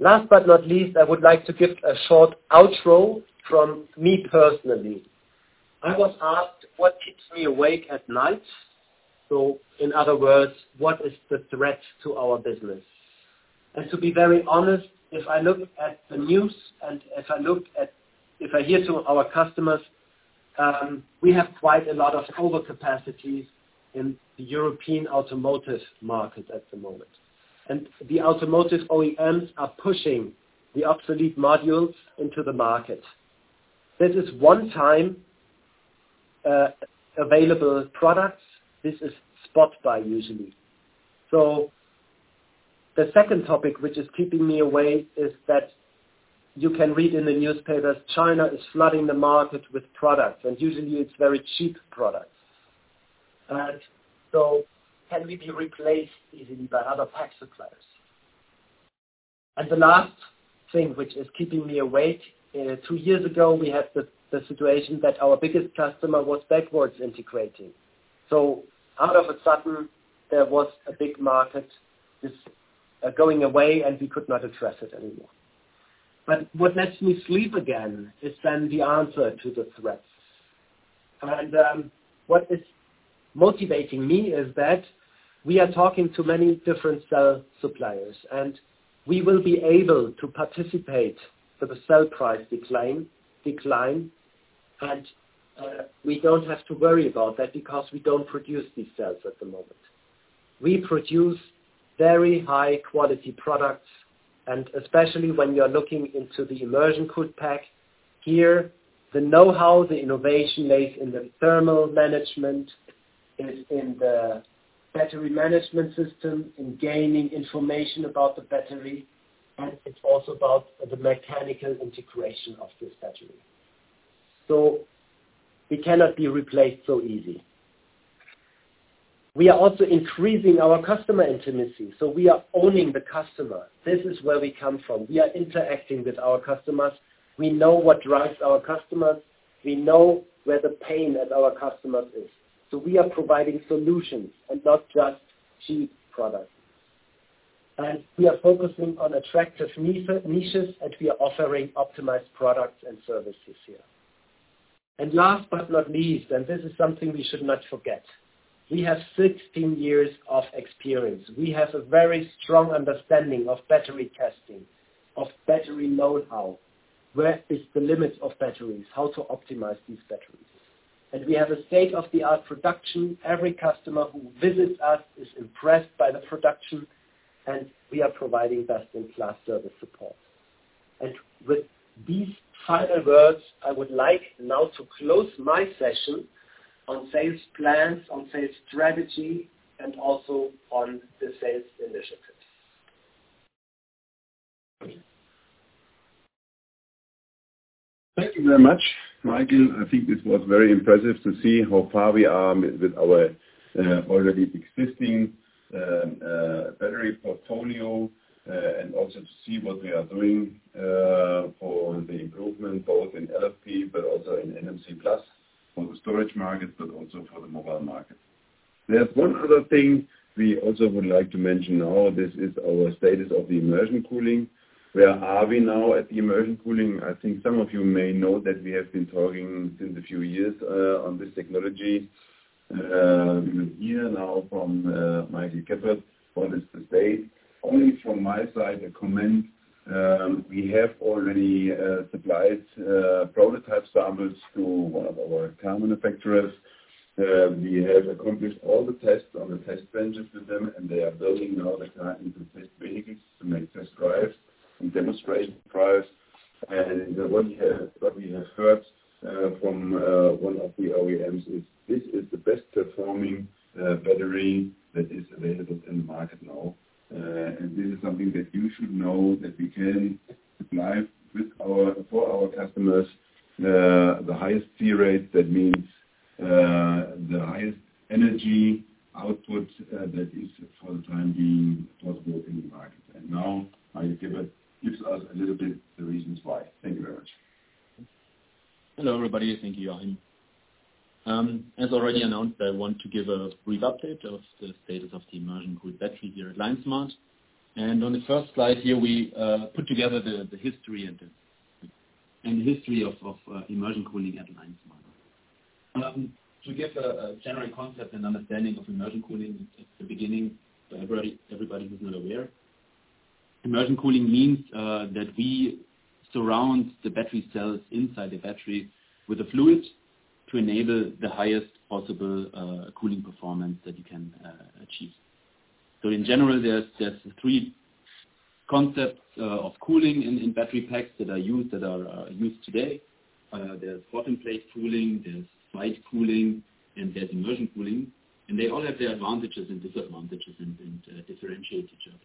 Last but not least, I would like to give a short outro from me personally. I was asked what keeps me awake at night. So in other words, what is the threat to our business? And to be very honest, if I look at the news and if I hear from our customers, we have quite a lot of overcapacity in the European automotive market at the moment. And the automotive OEMs are pushing the obsolete modules into the market. This is one-time available products. This is spot-buy usually. So the second topic, which is keeping me awake, is that you can read in the newspapers, China is flooding the market with products. Usually, it's very cheap products. So can we be replaced easily by other pack suppliers? The last thing, which is keeping me awake, two years ago, we had the situation that our biggest customer was backwards integrating. Out of a sudden, there was a big market going away, and we could not address it anymore. But what lets me sleep again is then the answer to the threats. What is motivating me is that we are talking to many different cell suppliers, and we will be able to participate with the cell price decline. We don't have to worry about that because we don't produce these cells at the moment. We produce very high-quality products. Especially when you're looking into the immersion cooled pack, here, the know-how, the innovation lays in the thermal management, is in the battery management system, in gaining information about the battery. It's also about the mechanical integration of this battery. So we cannot be replaced so easy. We are also increasing our customer intimacy. So we are owning the customer. This is where we come from. We are interacting with our customers. We know what drives our customers. We know where the pain at our customers is. So we are providing solutions and not just cheap products. We are focusing on attractive niches, and we are offering optimized products and services here. Last but not least, and this is something we should not forget, we have 16 years of experience. We have a very strong understanding of battery testing, of battery know-how. Where is the limit of batteries? How to optimize these batteries? We have a state-of-the-art production. Every customer who visits us is impressed by the production, and we are providing best-in-class service support. With these final words, I would like now to close my session on sales plans, on sales strategy, and also on the sales initiatives. Thank you very much, Michael. I think this was very impressive to see how far we are with our already existing battery portfolio and also to see what we are doing for the improvement both in LFP but also in NMC Plus for the Storage market, but also for the Mobile market. There's one other thing we also would like to mention now. This is our status of the Immersion cooling. Where are we now at the Immersion cooling? I think some of you may know that we have been talking since a few years on this technology. We will hear now from Michael Geppert what is the state. Only from my side, a comment. We have already supplied prototype samples to one of our car manufacturers. We have accomplished all the tests on the test benches with them, and they are building now the car into test vehicles to make test drives and demonstration drives. And what we have heard from one of the OEMs is this is the best-performing battery that is available in the market now. And this is something that you should know that we can supply for our customers the highest C-rate. That means the highest energy output that is for the time being possible in the market. And now, Michael Geppert gives us a little bit the reasons why. Thank you very much. Hello, everybody. Thank you, Joachim. As already announced, I want to give a brief update of the status of the Immersion cooled battery here at LION Smart. On the first slide here, we put together the history and the history of Immersion cooling at LION Smart. To give a general concept and understanding of Immersion cooling at the beginning, so everybody who's not aware, Immersion cooling means that we surround the battery cells inside the battery with a fluid to enable the highest possible cooling performance that you can achieve. In general, there's three concepts of cooling in battery packs that are used today. There's bottom-plate cooling, there's side cooling, and there's immersion cooling. They all have their advantages and disadvantages and differentiate each other.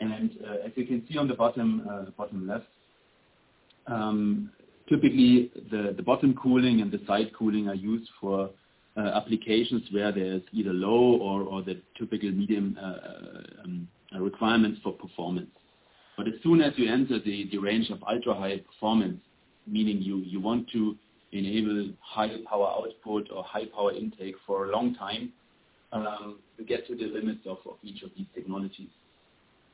And as you can see on the bottom left, typically, the bottom cooling and the side cooling are used for applications where there's either low or the typical medium requirements for performance. But as soon as you enter the range of ultra-high performance, meaning you want to enable high power output or high power intake for a long time, you get to the limits of each of these technologies.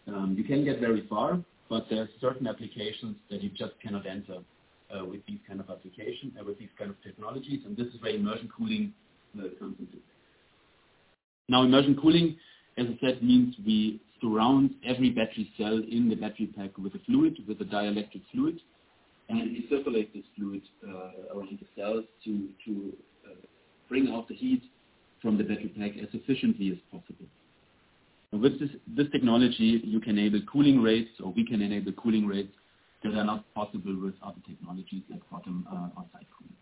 You can get very far, but there are certain applications that you just cannot enter with these kinds of applications and with these kinds of technologies. And this is where immersion cooling comes into. Now, Immersion Cooling, as I said, means we surround every battery cell in the Battery Pack with a fluid, with a Dielectric fluid. And we circulate this fluid around the cells to bring out the heat from the Battery Pack as efficiently as possible. With this technology, you can enable cooling rates, or we can enable cooling rates that are not possible with other technologies like bottom or side cooling.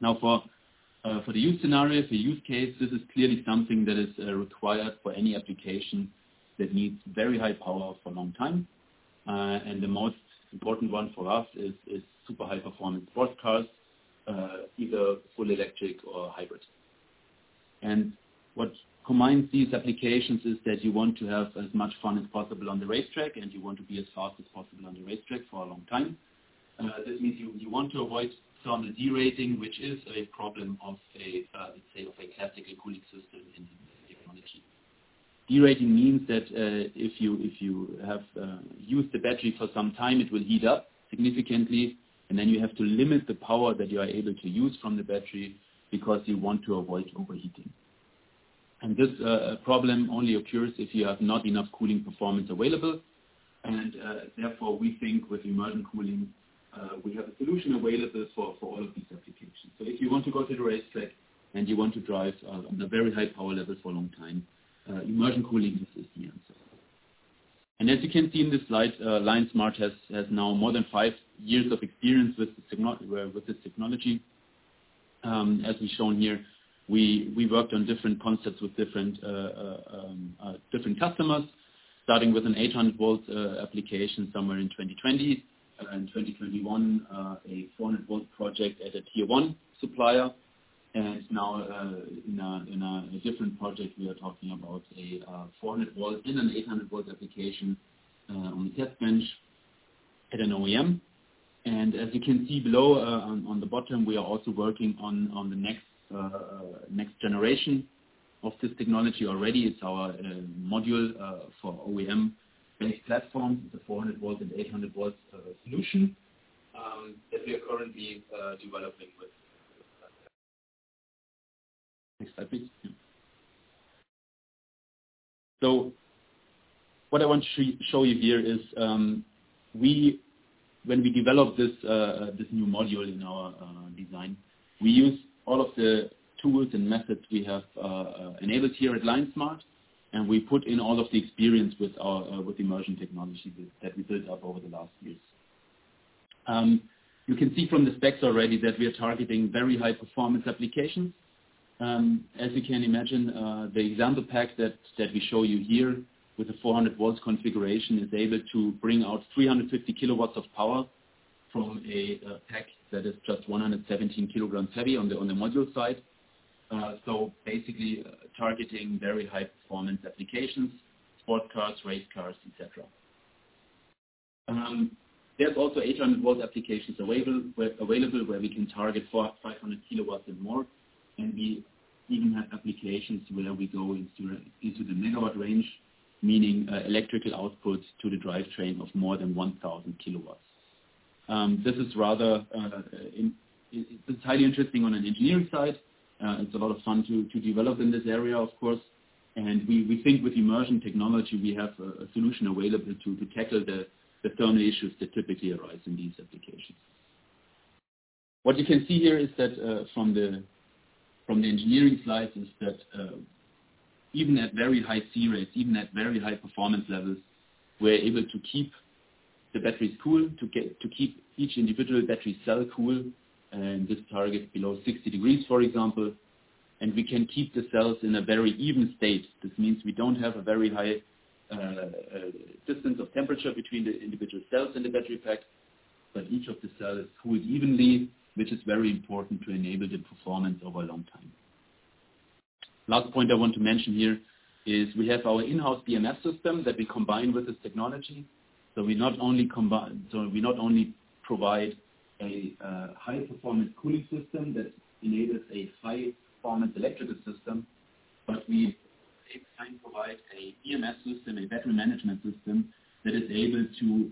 Now, for the use scenario, for use case, this is clearly something that is required for any application that needs very high power for a long time. The most important one for us is super high-performance sports cars, either full electric or hybrid. What combines these applications is that you want to have as much fun as possible on the racetrack, and you want to be as fast as possible on the racetrack for a long time. This means you want to avoid thermal derating, which is a problem of, let's say, of a classical cooling system in technology. Derating means that if you have used the battery for some time, it will heat up significantly. Then you have to limit the power that you are able to use from the battery because you want to avoid overheating. This problem only occurs if you have not enough cooling performance available. Therefore, we think with immersion cooling, we have a solution available for all of these applications. Now, Immersion Cooling, as I said, means we surround every battery cell in the Battery Pack with a fluid, with a Dielectric fluid. And we circulate this fluid around the cells to bring out the heat from the battery pack as efficiently as possible. As you can see in this slide, LION Smart has now more than five years of experience with this technology. As we've shown here, we worked on different concepts with different customers, starting with an 800-volt application somewhere in 2020. In 2021, a 400-volt project at a tier one supplier. Now, in a different project, we are talking about a 400-volt in an 800-volt application on the test bench at an OEM. As you can see below, on the bottom, we are also working on the next generation of this technology already. It's our module for OEM-based platforms. It's a 400-volt and 800-volt solution that we are currently developing with. Next slide, please. What I want to show you here is when we develop this new module in our design, we use all of the tools and methods we have enabled here at LION Smart. We put in all of the experience with Immersion technology that we built up over the last years. You can see from the specs already that we are targeting very high-performance applications. As you can imagine, the example pack that we show you here with the 400-V configuration is able to bring out 350 kW of power from a pack that is just 117 kg heavy on the module side. Basically, targeting very high-performance applications, sports cars, race cars, etc. There's also 800-V applications available where we can target 500 kW and more. We even have applications where we go into the megawatt range, meaning electrical output to the drivetrain of more than 1,000 kilowatts. This is highly interesting on an engineering side. It's a lot of fun to develop in this area, of course. We think with Immersion technology, we have a solution available to tackle the thermal issues that typically arise in these applications. What you can see here is that from the engineering slides is that even at very high C-rates, even at very high performance levels, we're able to keep the batteries cool, to keep each individual battery cell cool, and this target below 60 degrees, for example. We can keep the cells in a very even state. This means we don't have a very high distance of temperature between the individual cells in the Battery Pack, but each of the cells is cooled evenly, which is very important to enable the performance over a long time. Last point I want to mention here is we have our in-house BMS system that we combine with this technology. So we not only provide a high-performance cooling system that enables a high-performance electrical system, but we at the same time provide a BMS system, a battery management system that is able to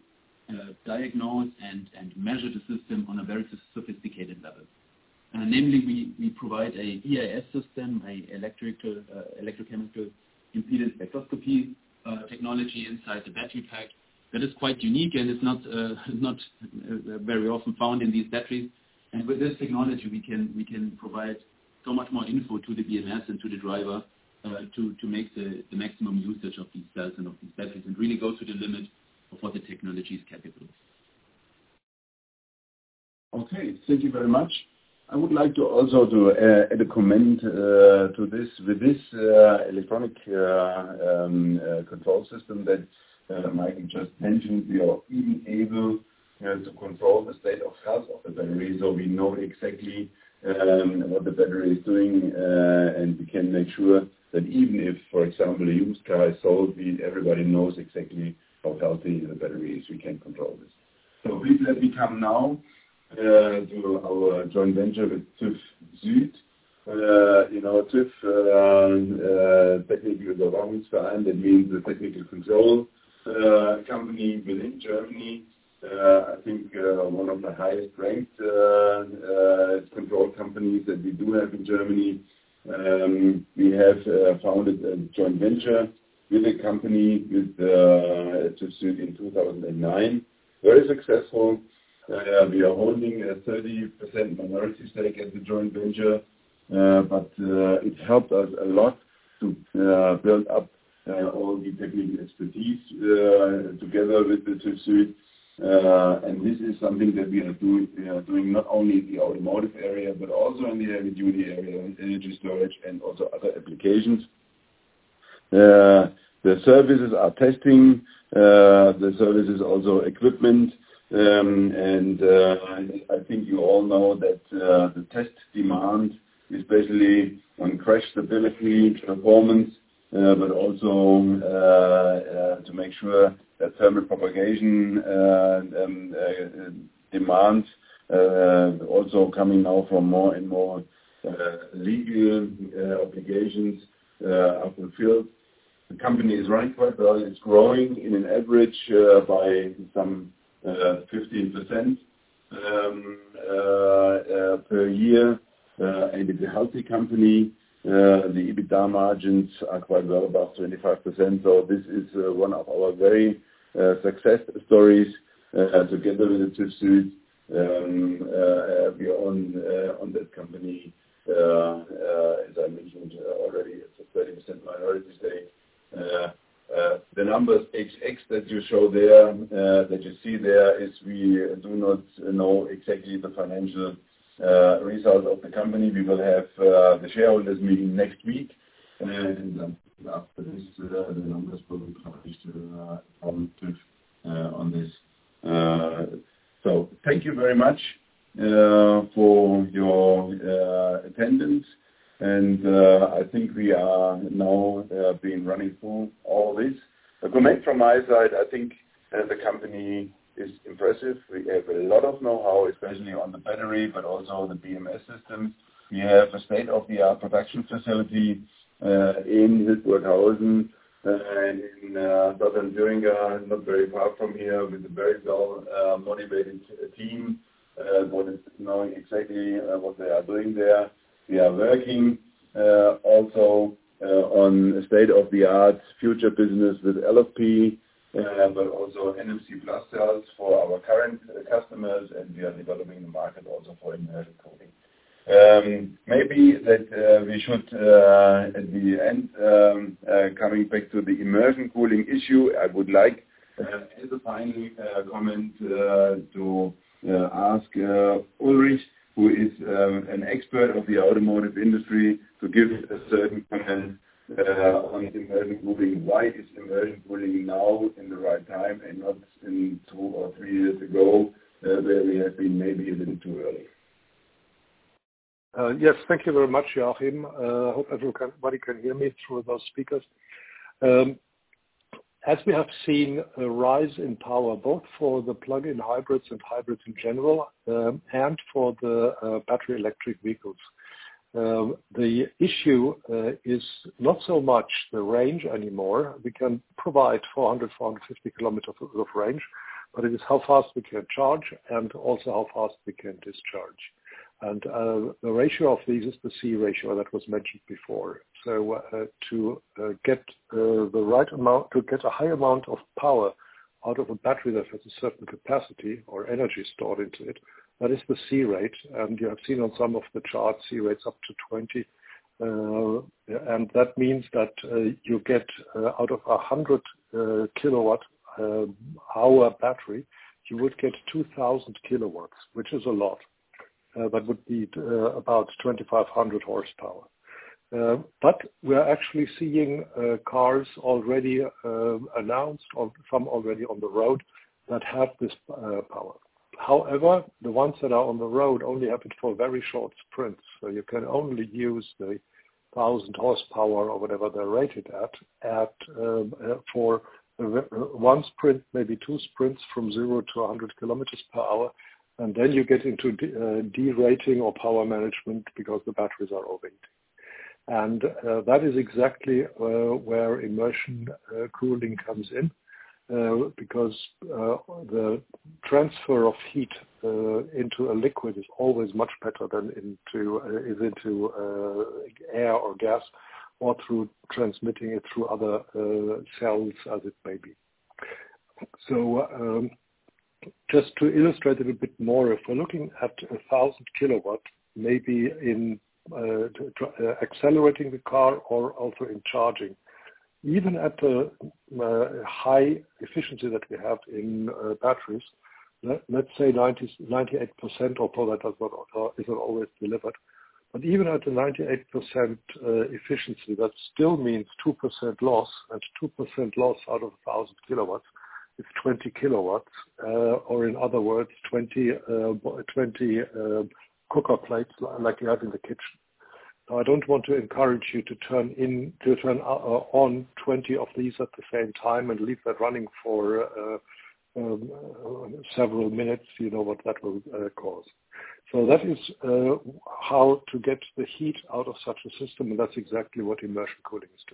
diagnose and measure the system on a very sophisticated level. Namely, we provide a EIS system, an electrochemical impedance spectroscopy technology inside the Battery Pack that is quite unique and is not very often found in these batteries. With this technology, we can provide so much more info to the BMS and to the driver to make the maximum usage of these cells and of these batteries and really go to the limit of what the technology is capable of. Okay. Thank you very much. I would like to also add a comment to this. With this electronic control system that Michael just mentioned, we are even able to control the state of health of the battery. So we know exactly what the battery is doing, and we can make sure that even if, for example, a used car is sold, everybody knows exactly how healthy the battery is. We can control this. So please let me come now to our joint venture with TÜV SÜD. TÜV, technical governance firm, that means the technical control company within Germany. I think one of the highest-ranked control companies that we do have in Germany. We have founded a joint venture with a company with TÜV SÜD in 2009, very successful. We are holding a 30% minority stake at the joint venture, but it helped us a lot to build up all the technical expertise together with the TÜV SÜD. This is something that we are doing not only in the automotive area, but also in the heavy-duty area, energy storage, and also other applications. The services are testing. The service is also equipment. I think you all know that the test demand is basically on crash stability, performance, but also to make sure that thermal propagation demands also coming now from more and more legal obligations are fulfilled. The company is running quite well. It's growing in an average by some 15% per year. It's a healthy company. The EBITDA margins are quite well above 25%. This is one of our very success stories. Together with the TÜV SÜD, we are on that company, as I mentioned already, it's a 30% minority stake. The numbers XX that you show there, that you see there, is we do not know exactly the financial results of the company. We will have the shareholders meeting next week. After this, the numbers will be published on TÜV on this. So thank you very much for your attendance. I think we are now being running through all of this. A comment from my side. I think the company is impressive. We have a lot of know-how, especially on the battery, but also the BMS systems. We have a state-of-the-art production facility in Hildburghausen and in Southern Thuringia, not very far from here, with a very well-motivated team knowing exactly what they are doing there. We are working also on state-of-the-art future business with LFP, but also NMC+ cells for our current customers. We are developing the market also for immersion cooling. Maybe that we should, at the end, coming back to the immersion cooling issue, I would like as a final comment to ask Ulrich, who is an expert of the automotive industry, to give a certain comment on Immersion cooling. Why is Immersion cooling now in the right time and not two or three years ago, where we have been maybe a little too early? Yes. Thank you very much, Joachim. I hope everybody can hear me through those speakers. As we have seen a rise in power, both for the plug-in hybrids and hybrids in general, and for the battery electric vehicles, the issue is not so much the range anymore. We can provide 400-450 km of range, but it is how fast we can charge and also how fast we can discharge. The ratio of these is the C-rate that was mentioned before. So to get the right amount to get a high amount of power out of a battery that has a certain capacity or energy stored into it, that is the C-rate. You have seen on some of the charts, C-rates up to 20. That means that you get out of a 100 kWh battery, you would get 2,000 kW, which is a lot. That would be about 2,500 horsepower. But we are actually seeing cars already announced, some already on the road, that have this power. However, the ones that are on the road only have it for very short sprints. So you can only use the 1,000 horsepower or whatever they're rated at for one sprint, maybe two sprints from 0-100 kilometers per hour. And then you get into derating or power management because the batteries are overheating. And that is exactly where Immersion cooling comes in because the transfer of heat into a liquid is always much better than into air or gas or through transmitting it through other cells as it may be. So just to illustrate it a bit more, if we're looking at 1,000 kW, maybe in accelerating the car or also in charging, even at the high efficiency that we have in batteries, let's say 98%, although that isn't always delivered. But even at a 98% efficiency, that still means 2% loss. And 2% loss out of 1,000 kW is 20 kW, or in other words, 20 cooker plates like you have in the kitchen. Now, I don't want to encourage you to turn on 20 of these at the same time and leave that running for several minutes. You know what that will cause. So that is how to get the heat out of such a system. And that's exactly what Immersion cooling is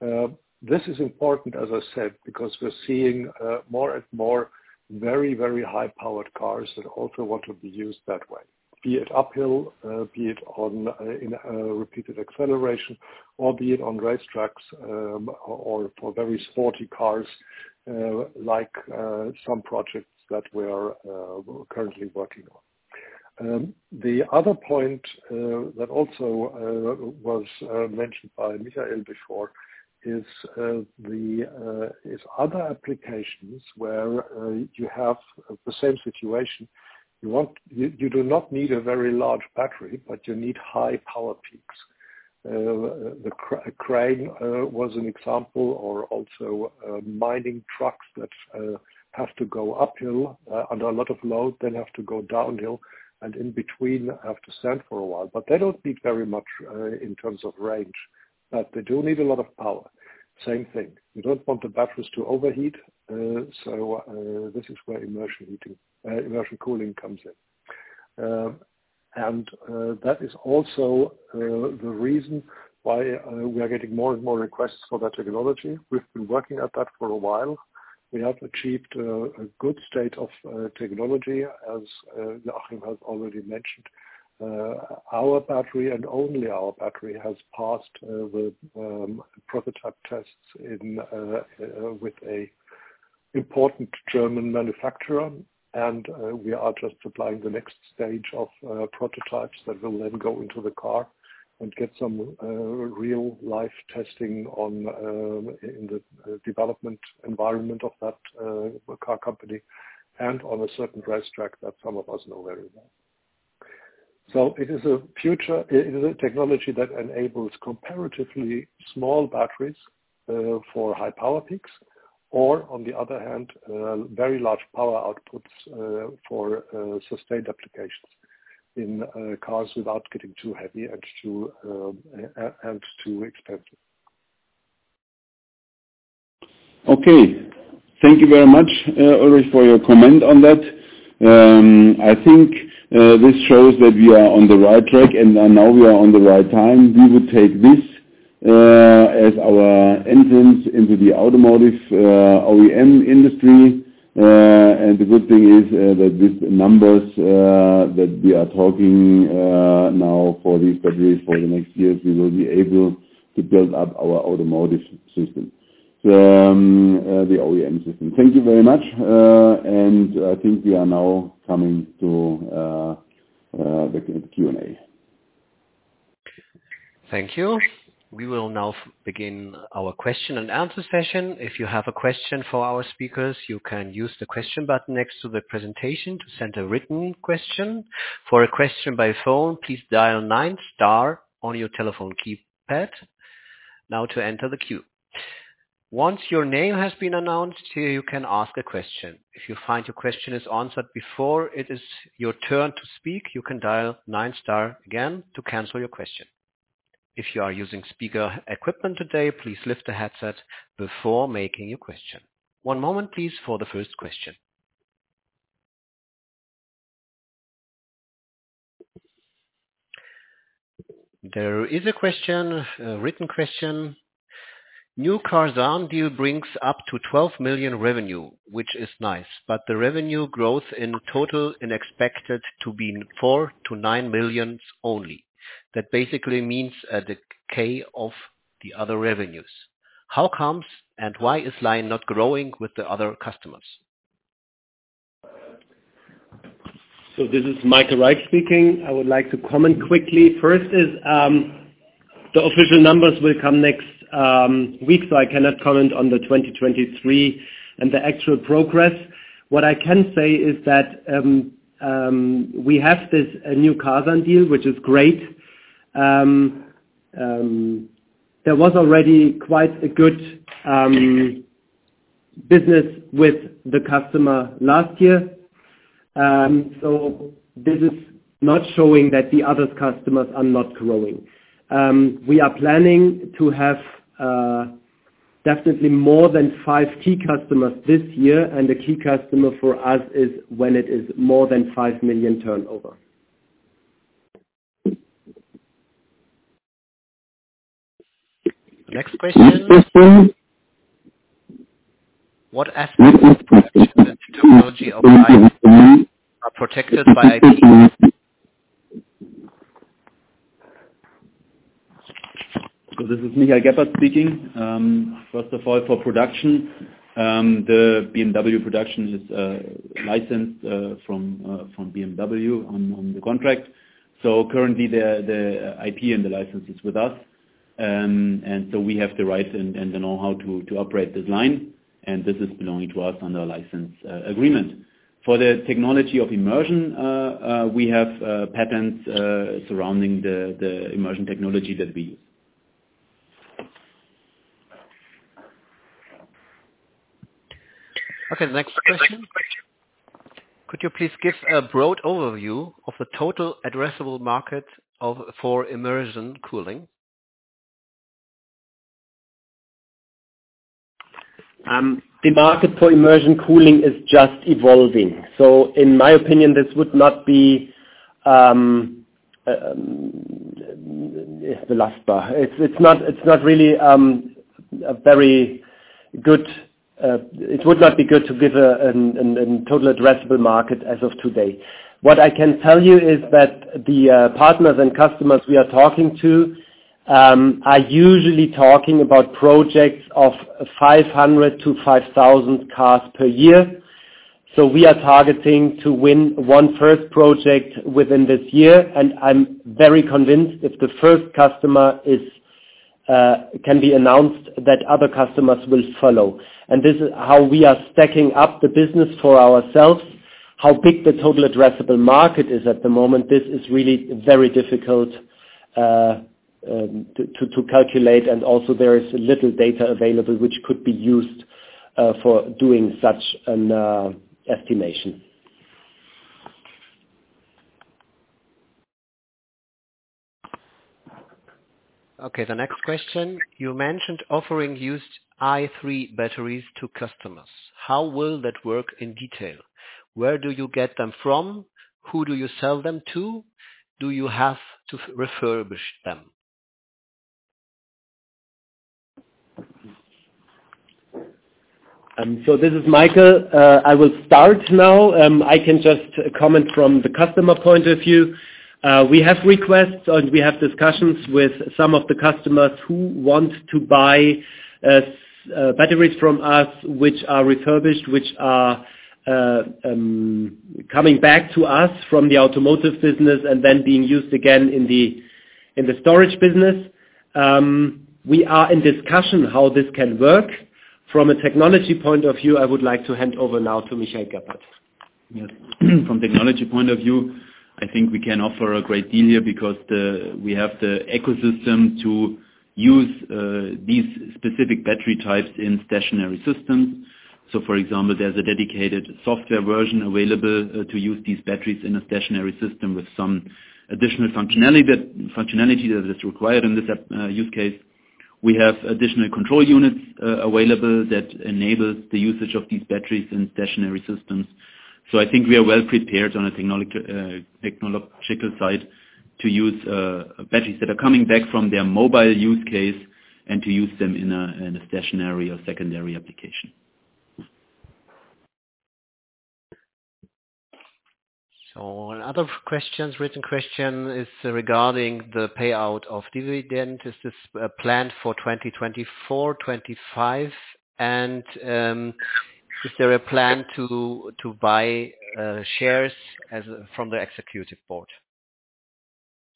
doing. This is important, as I said, because we're seeing more and more very, very high-powered cars that also want to be used that way, be it uphill, be it in repeated acceleration, or be it on racetracks or for very sporty cars like some projects that we are currently working on. The other point that also was mentioned by Michael before is other applications where you have the same situation. You do not need a very large battery, but you need high power peaks. The crane was an example, or also mining trucks that have to go uphill under a lot of load, then have to go downhill, and in between, have to stand for a while. But they don't need very much in terms of range, but they do need a lot of power. Same thing. You don't want the batteries to overheat. So this is where Immersion cooling comes in. And that is also the reason why we are getting more and more requests for that technology. We've been working at that for a while. We have achieved a good state of technology, as Joachim has already mentioned. Our battery, and only our battery, has passed the prototype tests with an important German manufacturer. And we are just supplying the next stage of prototypes that will then go into the car and get some real-life testing in the development environment of that car company and on a certain racetrack that some of us know very well. So it is a technology that enables comparatively small batteries for high power peaks or, on the other hand, very large power outputs for sustained applications in cars without getting too heavy and too expensive. Okay. Thank you very much, Ulrich, for your comment on that. I think this shows that we are on the right track, and now we are on the right time. We would take this as our entrance into the automotive OEM industry. The good thing is that with the numbers that we are talking now for these batteries for the next years, we will be able to build up our automotive system, the OEM system. Thank you very much. I think we are now coming to the Q&A. Thank you. We will now begin our question-and-answer session. If you have a question for our speakers, you can use the question button next to the presentation to send a written question. For a question by phone, please dial nine star on your telephone keypad now to enter the queue. Once your name has been announced, you can ask a question. If you find your question is answered before it is your turn to speak, you can dial nine star again to cancel your question. If you are using speaker equipment today, please lift the headset before making your question. One moment, please, for the first question. There is a written question. New Karsan deal brings up to 12 million revenue, which is nice, but the revenue growth in total is expected to be 4-9 million only. That basically means decay of the other revenues. How come and why is LION not growing with the other customers? So this is Michael Reich speaking. I would like to comment quickly. First is the official numbers will come next week, so I cannot comment on the 2023 and the actual progress. What I can say is that we have this new Karsan deal, which is great. There was already quite a good business with the customer last year. So this is not showing that the other customers are not growing. We are planning to have definitely more than five key customers this year. And the key customer for us is when it is more than 5 million turnover. Next question. What aspects of production that technology applies are protected by IP? So this is Michael Geppert speaking. First of all, for production, the BMW production is licensed from BMW on the contract. Currently, the IP and the license is with us. We have the rights and the know-how to operate this line. This is belonging to us under a license agreement. For the technology of immersion, we have patents surrounding the immersion technology that we use. Okay. Next question. Could you please give a broad overview of the total addressable market for Immersion cooling? The market for Immersion cooling is just evolving. So in my opinion, this would not be the last bar. It's not really a very good it would not be good to give a total addressable market as of today. What I can tell you is that the partners and customers we are talking to are usually talking about projects of 500-5,000 cars per year. So we are targeting to win one first project within this year. And I'm very convinced if the first customer can be announced, that other customers will follow. And this is how we are stacking up the business for ourselves. How big the total addressable market is at the moment, this is really very difficult to calculate. And also, there is little data available, which could be used for doing such an estimation. Okay. The next question. You mentioned offering used i3 batteries to customers. How will that work in detail? Where do you get them from? Who do you sell them to? Do you have to refurbish them? So this is Michael. I will start now. I can just comment from the customer point of view. We have requests, and we have discussions with some of the customers who want to buy batteries from us, which are refurbished, which are coming back to us from the automotive business and then being used again in the storage business. We are in discussion how this can work. From a technology point of view, I would like to hand over now to Michael Geppert. Yes. From technology point of view, I think we can offer a great deal here because we have the ecosystem to use these specific battery types in stationary systems. So, for example, there's a dedicated software version available to use these batteries in a stationary system with some additional functionality that is required in this use case. We have additional control units available that enable the usage of these batteries in stationary systems. So I think we are well prepared on a technological side to use batteries that are coming back from their mobile use case and to use them in a stationary or secondary application. Another written question is regarding the payout of dividend. Is this planned for 2024, 2025? And is there a plan to buy shares from the executive board?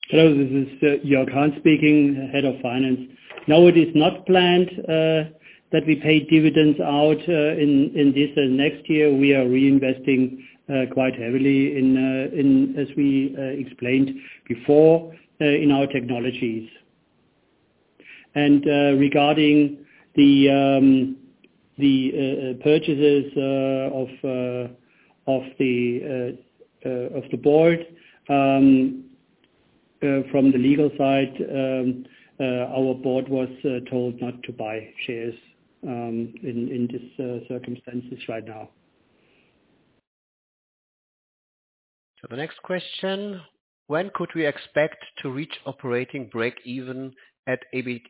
Hello. This is Jörg Hahn speaking, Head of Finance. No, it is not planned that we pay dividends out in this and next year. We are reinvesting quite heavily in, as we explained before, in our technologies. Regarding the purchases of the board from the legal side, our board was told not to buy shares in this circumstances right now. So the next question. When could we expect to reach operating break-even at EBIT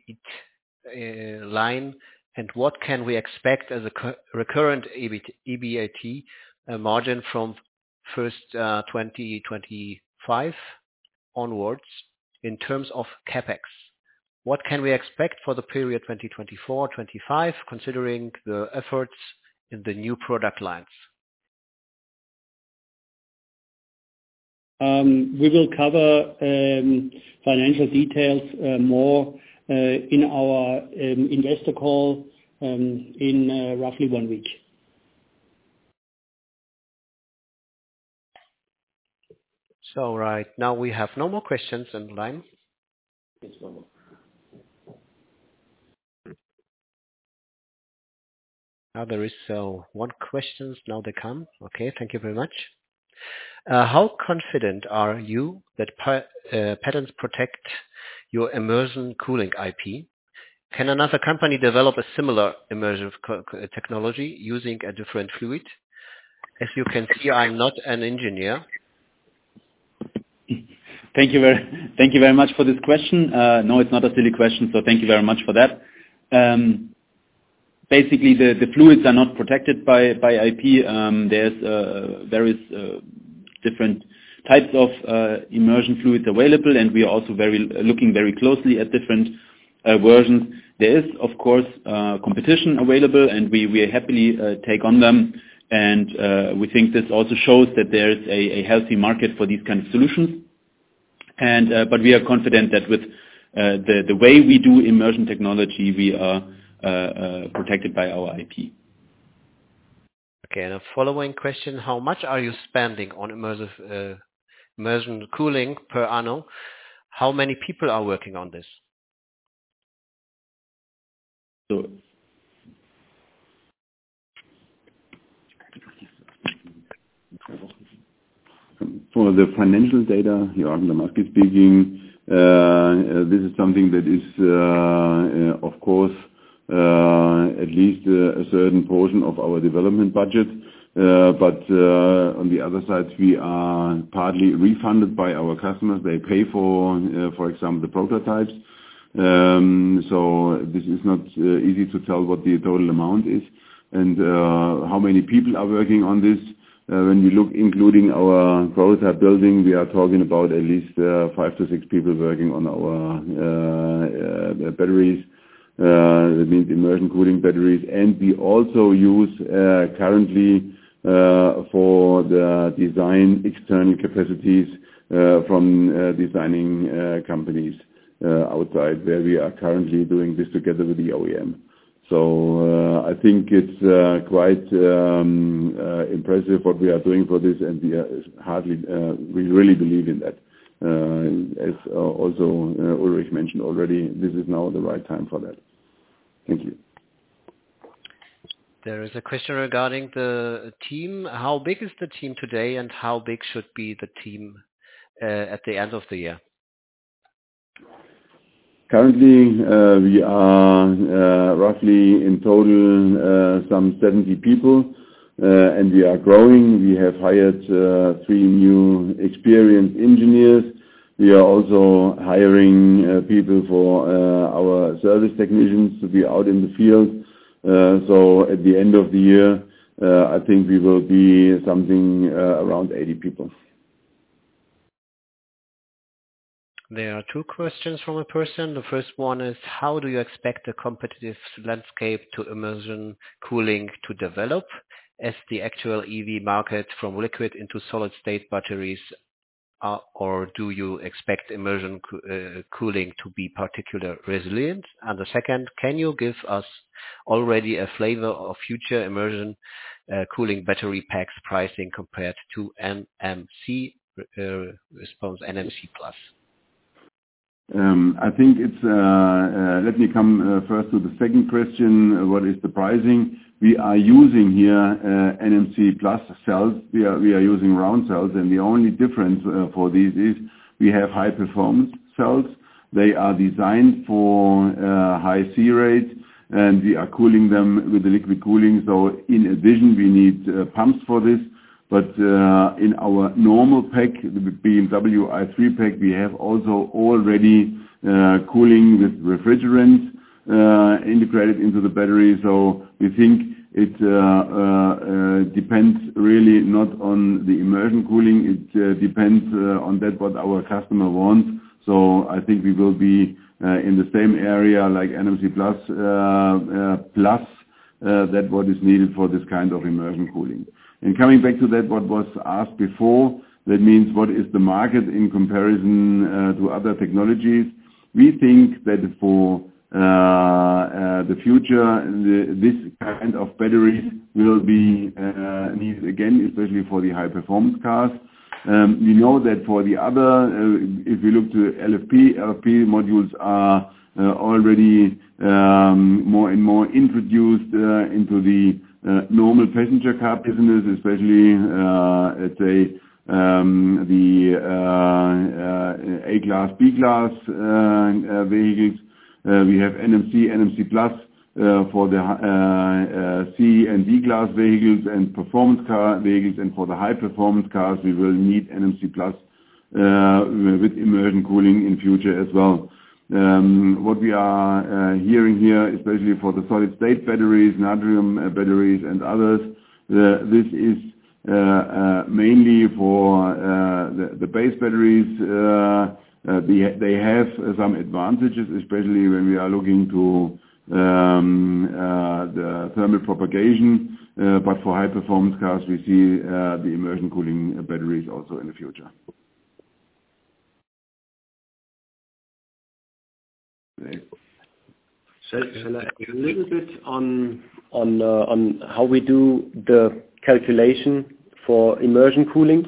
line? And what can we expect as a recurrent EBIT margin from first 2025 onwards in terms of CapEx? What can we expect for the period 2024, 2025, considering the efforts in the new product lines? We will cover financial details more in our investor call in roughly one week. All right. Now we have no more questions on the line. Yes, one more. Now there is one question. Now they come. Okay. Thank you very much. How confident are you that patents protect your Immersion cooling IP? Can another company develop a similar immersion technology using a different fluid? As you can see, I'm not an engineer. Thank you very much for this question. No, it's not a silly question. Thank you very much for that. Basically, the fluids are not protected by IP. There are various different types of immersion fluids available, and we are also looking very closely at different versions. There is, of course, competition available, and we happily take on them. We think this also shows that there is a healthy market for these kinds of solutions. We are confident that with the way we do immersion technology, we are protected by our IP. Okay. And a following question. How much are you spending on Immersion cooling per annum? How many people are working on this? For the financial data, Joachim Damasky speaking. This is something that is, of course, at least a certain portion of our development budget. But on the other side, we are partly refunded by our customers. They pay for, for example, the prototypes. So this is not easy to tell what the total amount is and how many people are working on this. When we look, including our Großbettlingen, we are talking about at least 5-6 people working on our batteries, that means immersion cooling batteries. And we also use currently for the design external capacities from designing companies outside where we are currently doing this together with the OEM. So I think it's quite impressive what we are doing for this, and we really believe in that. As also Ulrich mentioned already, this is now the right time for that. Thank you. There is a question regarding the team. How big is the team today, and how big should be the team at the end of the year? Currently, we are roughly in total some 70 people, and we are growing. We have hired three new experienced engineers. We are also hiring people for our service technicians to be out in the field. At the end of the year, I think we will be something around 80 people. There are two questions from a person. The first one is, how do you expect the competitive landscape to Immersion cooling to develop as the actual EV market from liquid into solid-state batteries, or do you expect Immersion cooling to be particularly resilient? And the second, can you give us already a flavor of future Immersion cooling battery packs pricing compared to NMC or NMC Plus? I think it's, let me come first to the second question. What is the pricing? We are using here NMC+ cells. We are using round cells. And the only difference for these is we have high-performance cells. They are designed for high C-rate, and we are cooling them with liquid cooling. So in addition, we need pumps for this. But in our normal pack, the BMW i3 pack, we have also already cooling with refrigerant integrated into the battery. So we think it depends really not on the Immersion cooling. It depends on that, what our customer wants. So I think we will be in the same area like NMC+. Plus, that's what is needed for this kind of Immersion cooling. And coming back to that, what was asked before, that means what is the market in comparison to other technologies? We think that for the future, this kind of batteries will be needed again, especially for the high-performance cars. We know that for the other, if we look to LFP, LFP modules are already more and more introduced into the normal passenger car business, especially, let's say, the A-class, B-class vehicles. We have NMC, NMC+ for the C and D-class vehicles and performance car vehicles. And for the high-performance cars, we will need NMC+ with Immersion cooling in future as well. What we are hearing here, especially for the solid-state batteries, natrium batteries, and others, this is mainly for the base batteries. They have some advantages, especially when we are looking to the thermal propagation. But for high-performance cars, we see the Immersion cooling batteries also in the future. Shall I say a little bit on how we do the calculation for Immersion cooling?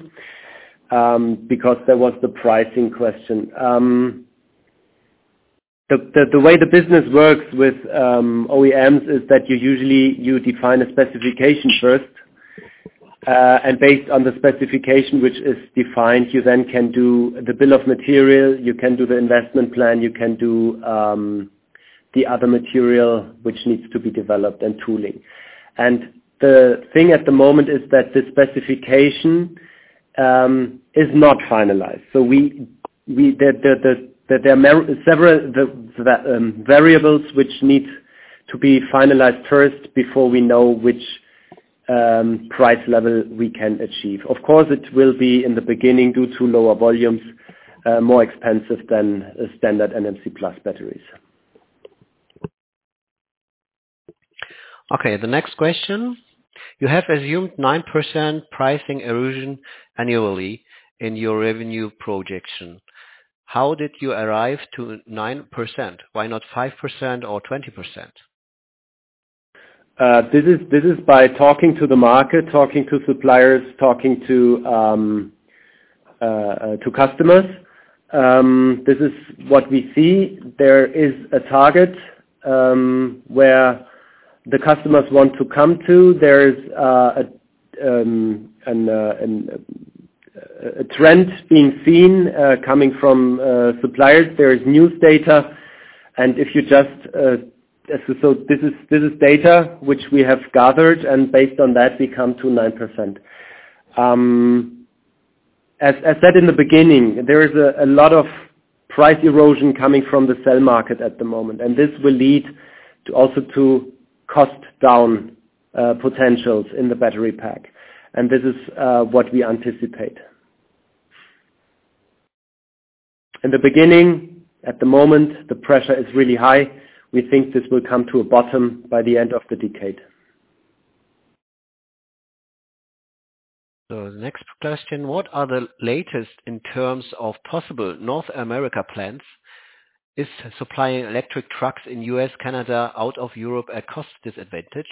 Because there was the pricing question. The way the business works with OEMs is that you define a specification first. Based on the specification, which is defined, you then can do the bill of material. You can do the investment plan. You can do the other material, which needs to be developed, and tooling. The thing at the moment is that the specification is not finalized. So there are several variables which need to be finalized first before we know which price level we can achieve. Of course, it will be, in the beginning, due to lower volumes, more expensive than standard NMC+ batteries. Okay. The next question. You have assumed 9% pricing erosion annually in your revenue projection. How did you arrive to 9%? Why not 5% or 20%? This is by talking to the market, talking to suppliers, talking to customers. This is what we see. There is a target where the customers want to come to. There is a trend being seen coming from suppliers. There is news data. And if you just so this is data, which we have gathered. And based on that, we come to 9%. As said in the beginning, there is a lot of price erosion coming from the cell market at the moment. This will lead also to cost-down potentials in the Battery Pack. And this is what we anticipate. In the beginning, at the moment, the pressure is really high. We think this will come to a bottom by the end of the decade. The next question. What are the latest in terms of possible North America plans? Is supplying electric trucks in U.S., Canada, out of Europe a cost disadvantage?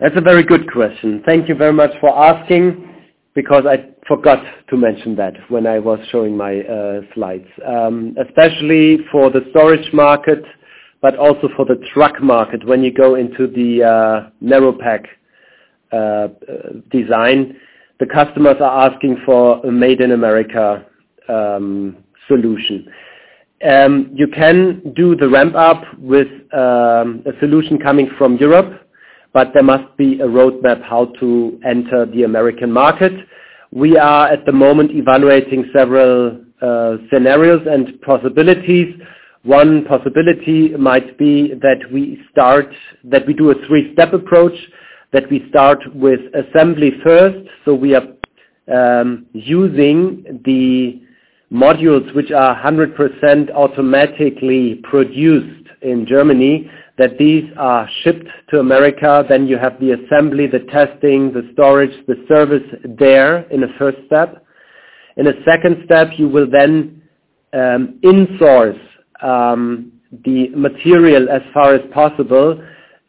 That's a very good question. Thank you very much for asking because I forgot to mention that when I was showing my slides, especially for the Storage market but also for the Truck market. When you go into the narrow pack design, the customers are asking for a made-in-America solution. You can do the ramp-up with a solution coming from Europe, but there must be a roadmap how to enter the American market. We are, at the moment, evaluating several scenarios and possibilities. One possibility might be that we do a three-step approach, that we start with assembly first. So we are using the modules, which are 100% automatically produced in Germany, that these are shipped to America. Then you have the assembly, the testing, the storage, the service there in a first step. In a second step, you will then insource the material as far as possible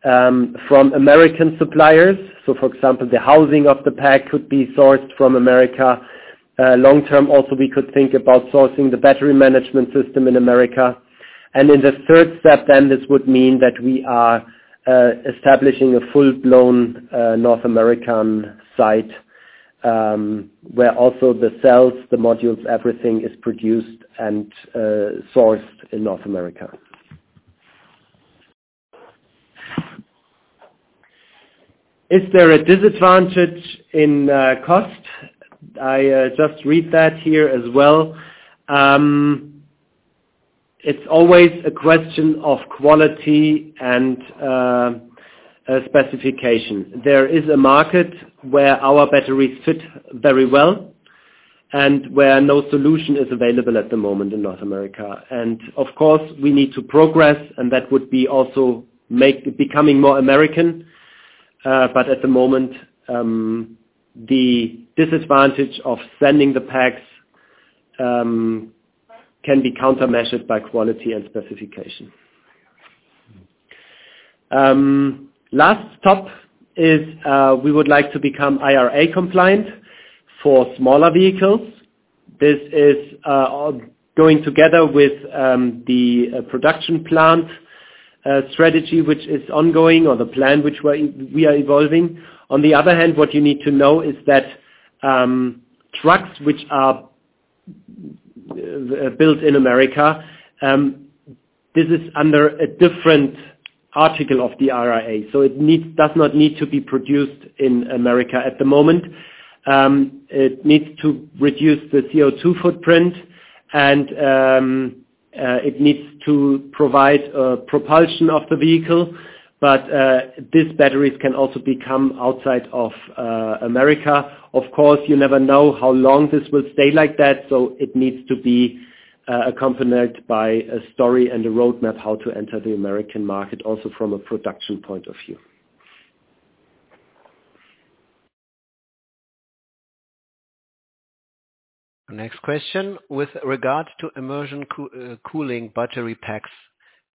from American suppliers. So, for example, the housing of the pack could be sourced from America. Long term, also, we could think about sourcing the battery management system in America. In the third step, then, this would mean that we are establishing a full-blown North American site where also the cells, the modules, everything is produced and sourced in North America. Is there a disadvantage in cost? I just read that here as well. It's always a question of quality and specification. There is a market where our batteries fit very well and where no solution is available at the moment in North America. Of course, we need to progress, and that would be also becoming more American. But at the moment, the disadvantage of sending the packs can be countermeasured by quality and specification. Last topic is we would like to become IRA compliant for smaller vehicles. This is going together with the production plant strategy, which is ongoing, or the plan, which we are evolving. On the other hand, what you need to know is that trucks, which are built in America, this is under a different article of the IRA. So it does not need to be produced in America at the moment. It needs to reduce the CO2 footprint, and it needs to provide propulsion of the vehicle. But these batteries can also become outside of America. Of course, you never know how long this will stay like that. So it needs to be accompanied by a story and a roadmap how to enter the American market, also from a production point of view. Next question. With regard to Immersion cooling Battery Packs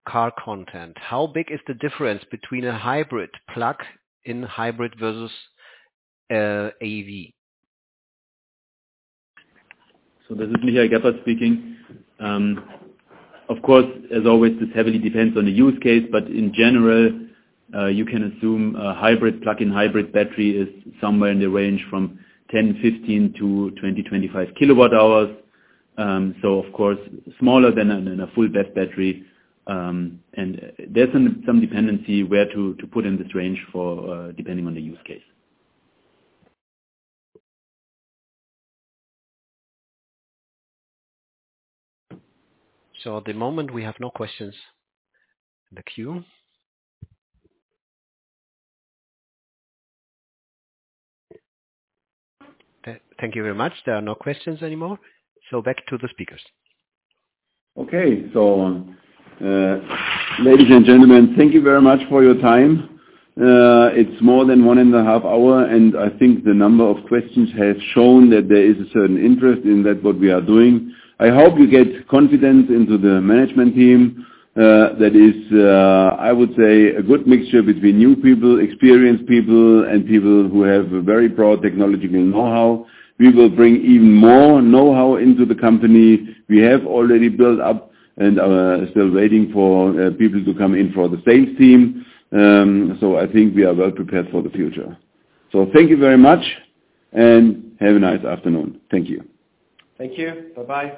car content, how big is the difference between a hybrid plug-in hybrid versus EV? So this is Michael Geppert speaking. Of course, as always, this heavily depends on the use case. But in general, you can assume a hybrid plug-in hybrid battery is somewhere in the range from 10-15 to 20-25 kWh. So, of course, smaller than a full BEV battery. And there's some dependency where to put in this range depending on the use case. At the moment, we have no questions in the queue. Thank you very much. There are no questions anymore. Back to the speakers. Okay. So, ladies and gentlemen, thank you very much for your time. It's more than 1.5 hours, and I think the number of questions has shown that there is a certain interest in what we are doing. I hope you get confidence into the management team that is, I would say, a good mixture between new people, experienced people, and people who have very broad technological know-how. We will bring even more know-how into the company we have already built up and are still waiting for people to come in for the sales team. So I think we are well prepared for the future. So thank you very much, and have a nice afternoon. Thank you. Thank you. Bye-bye.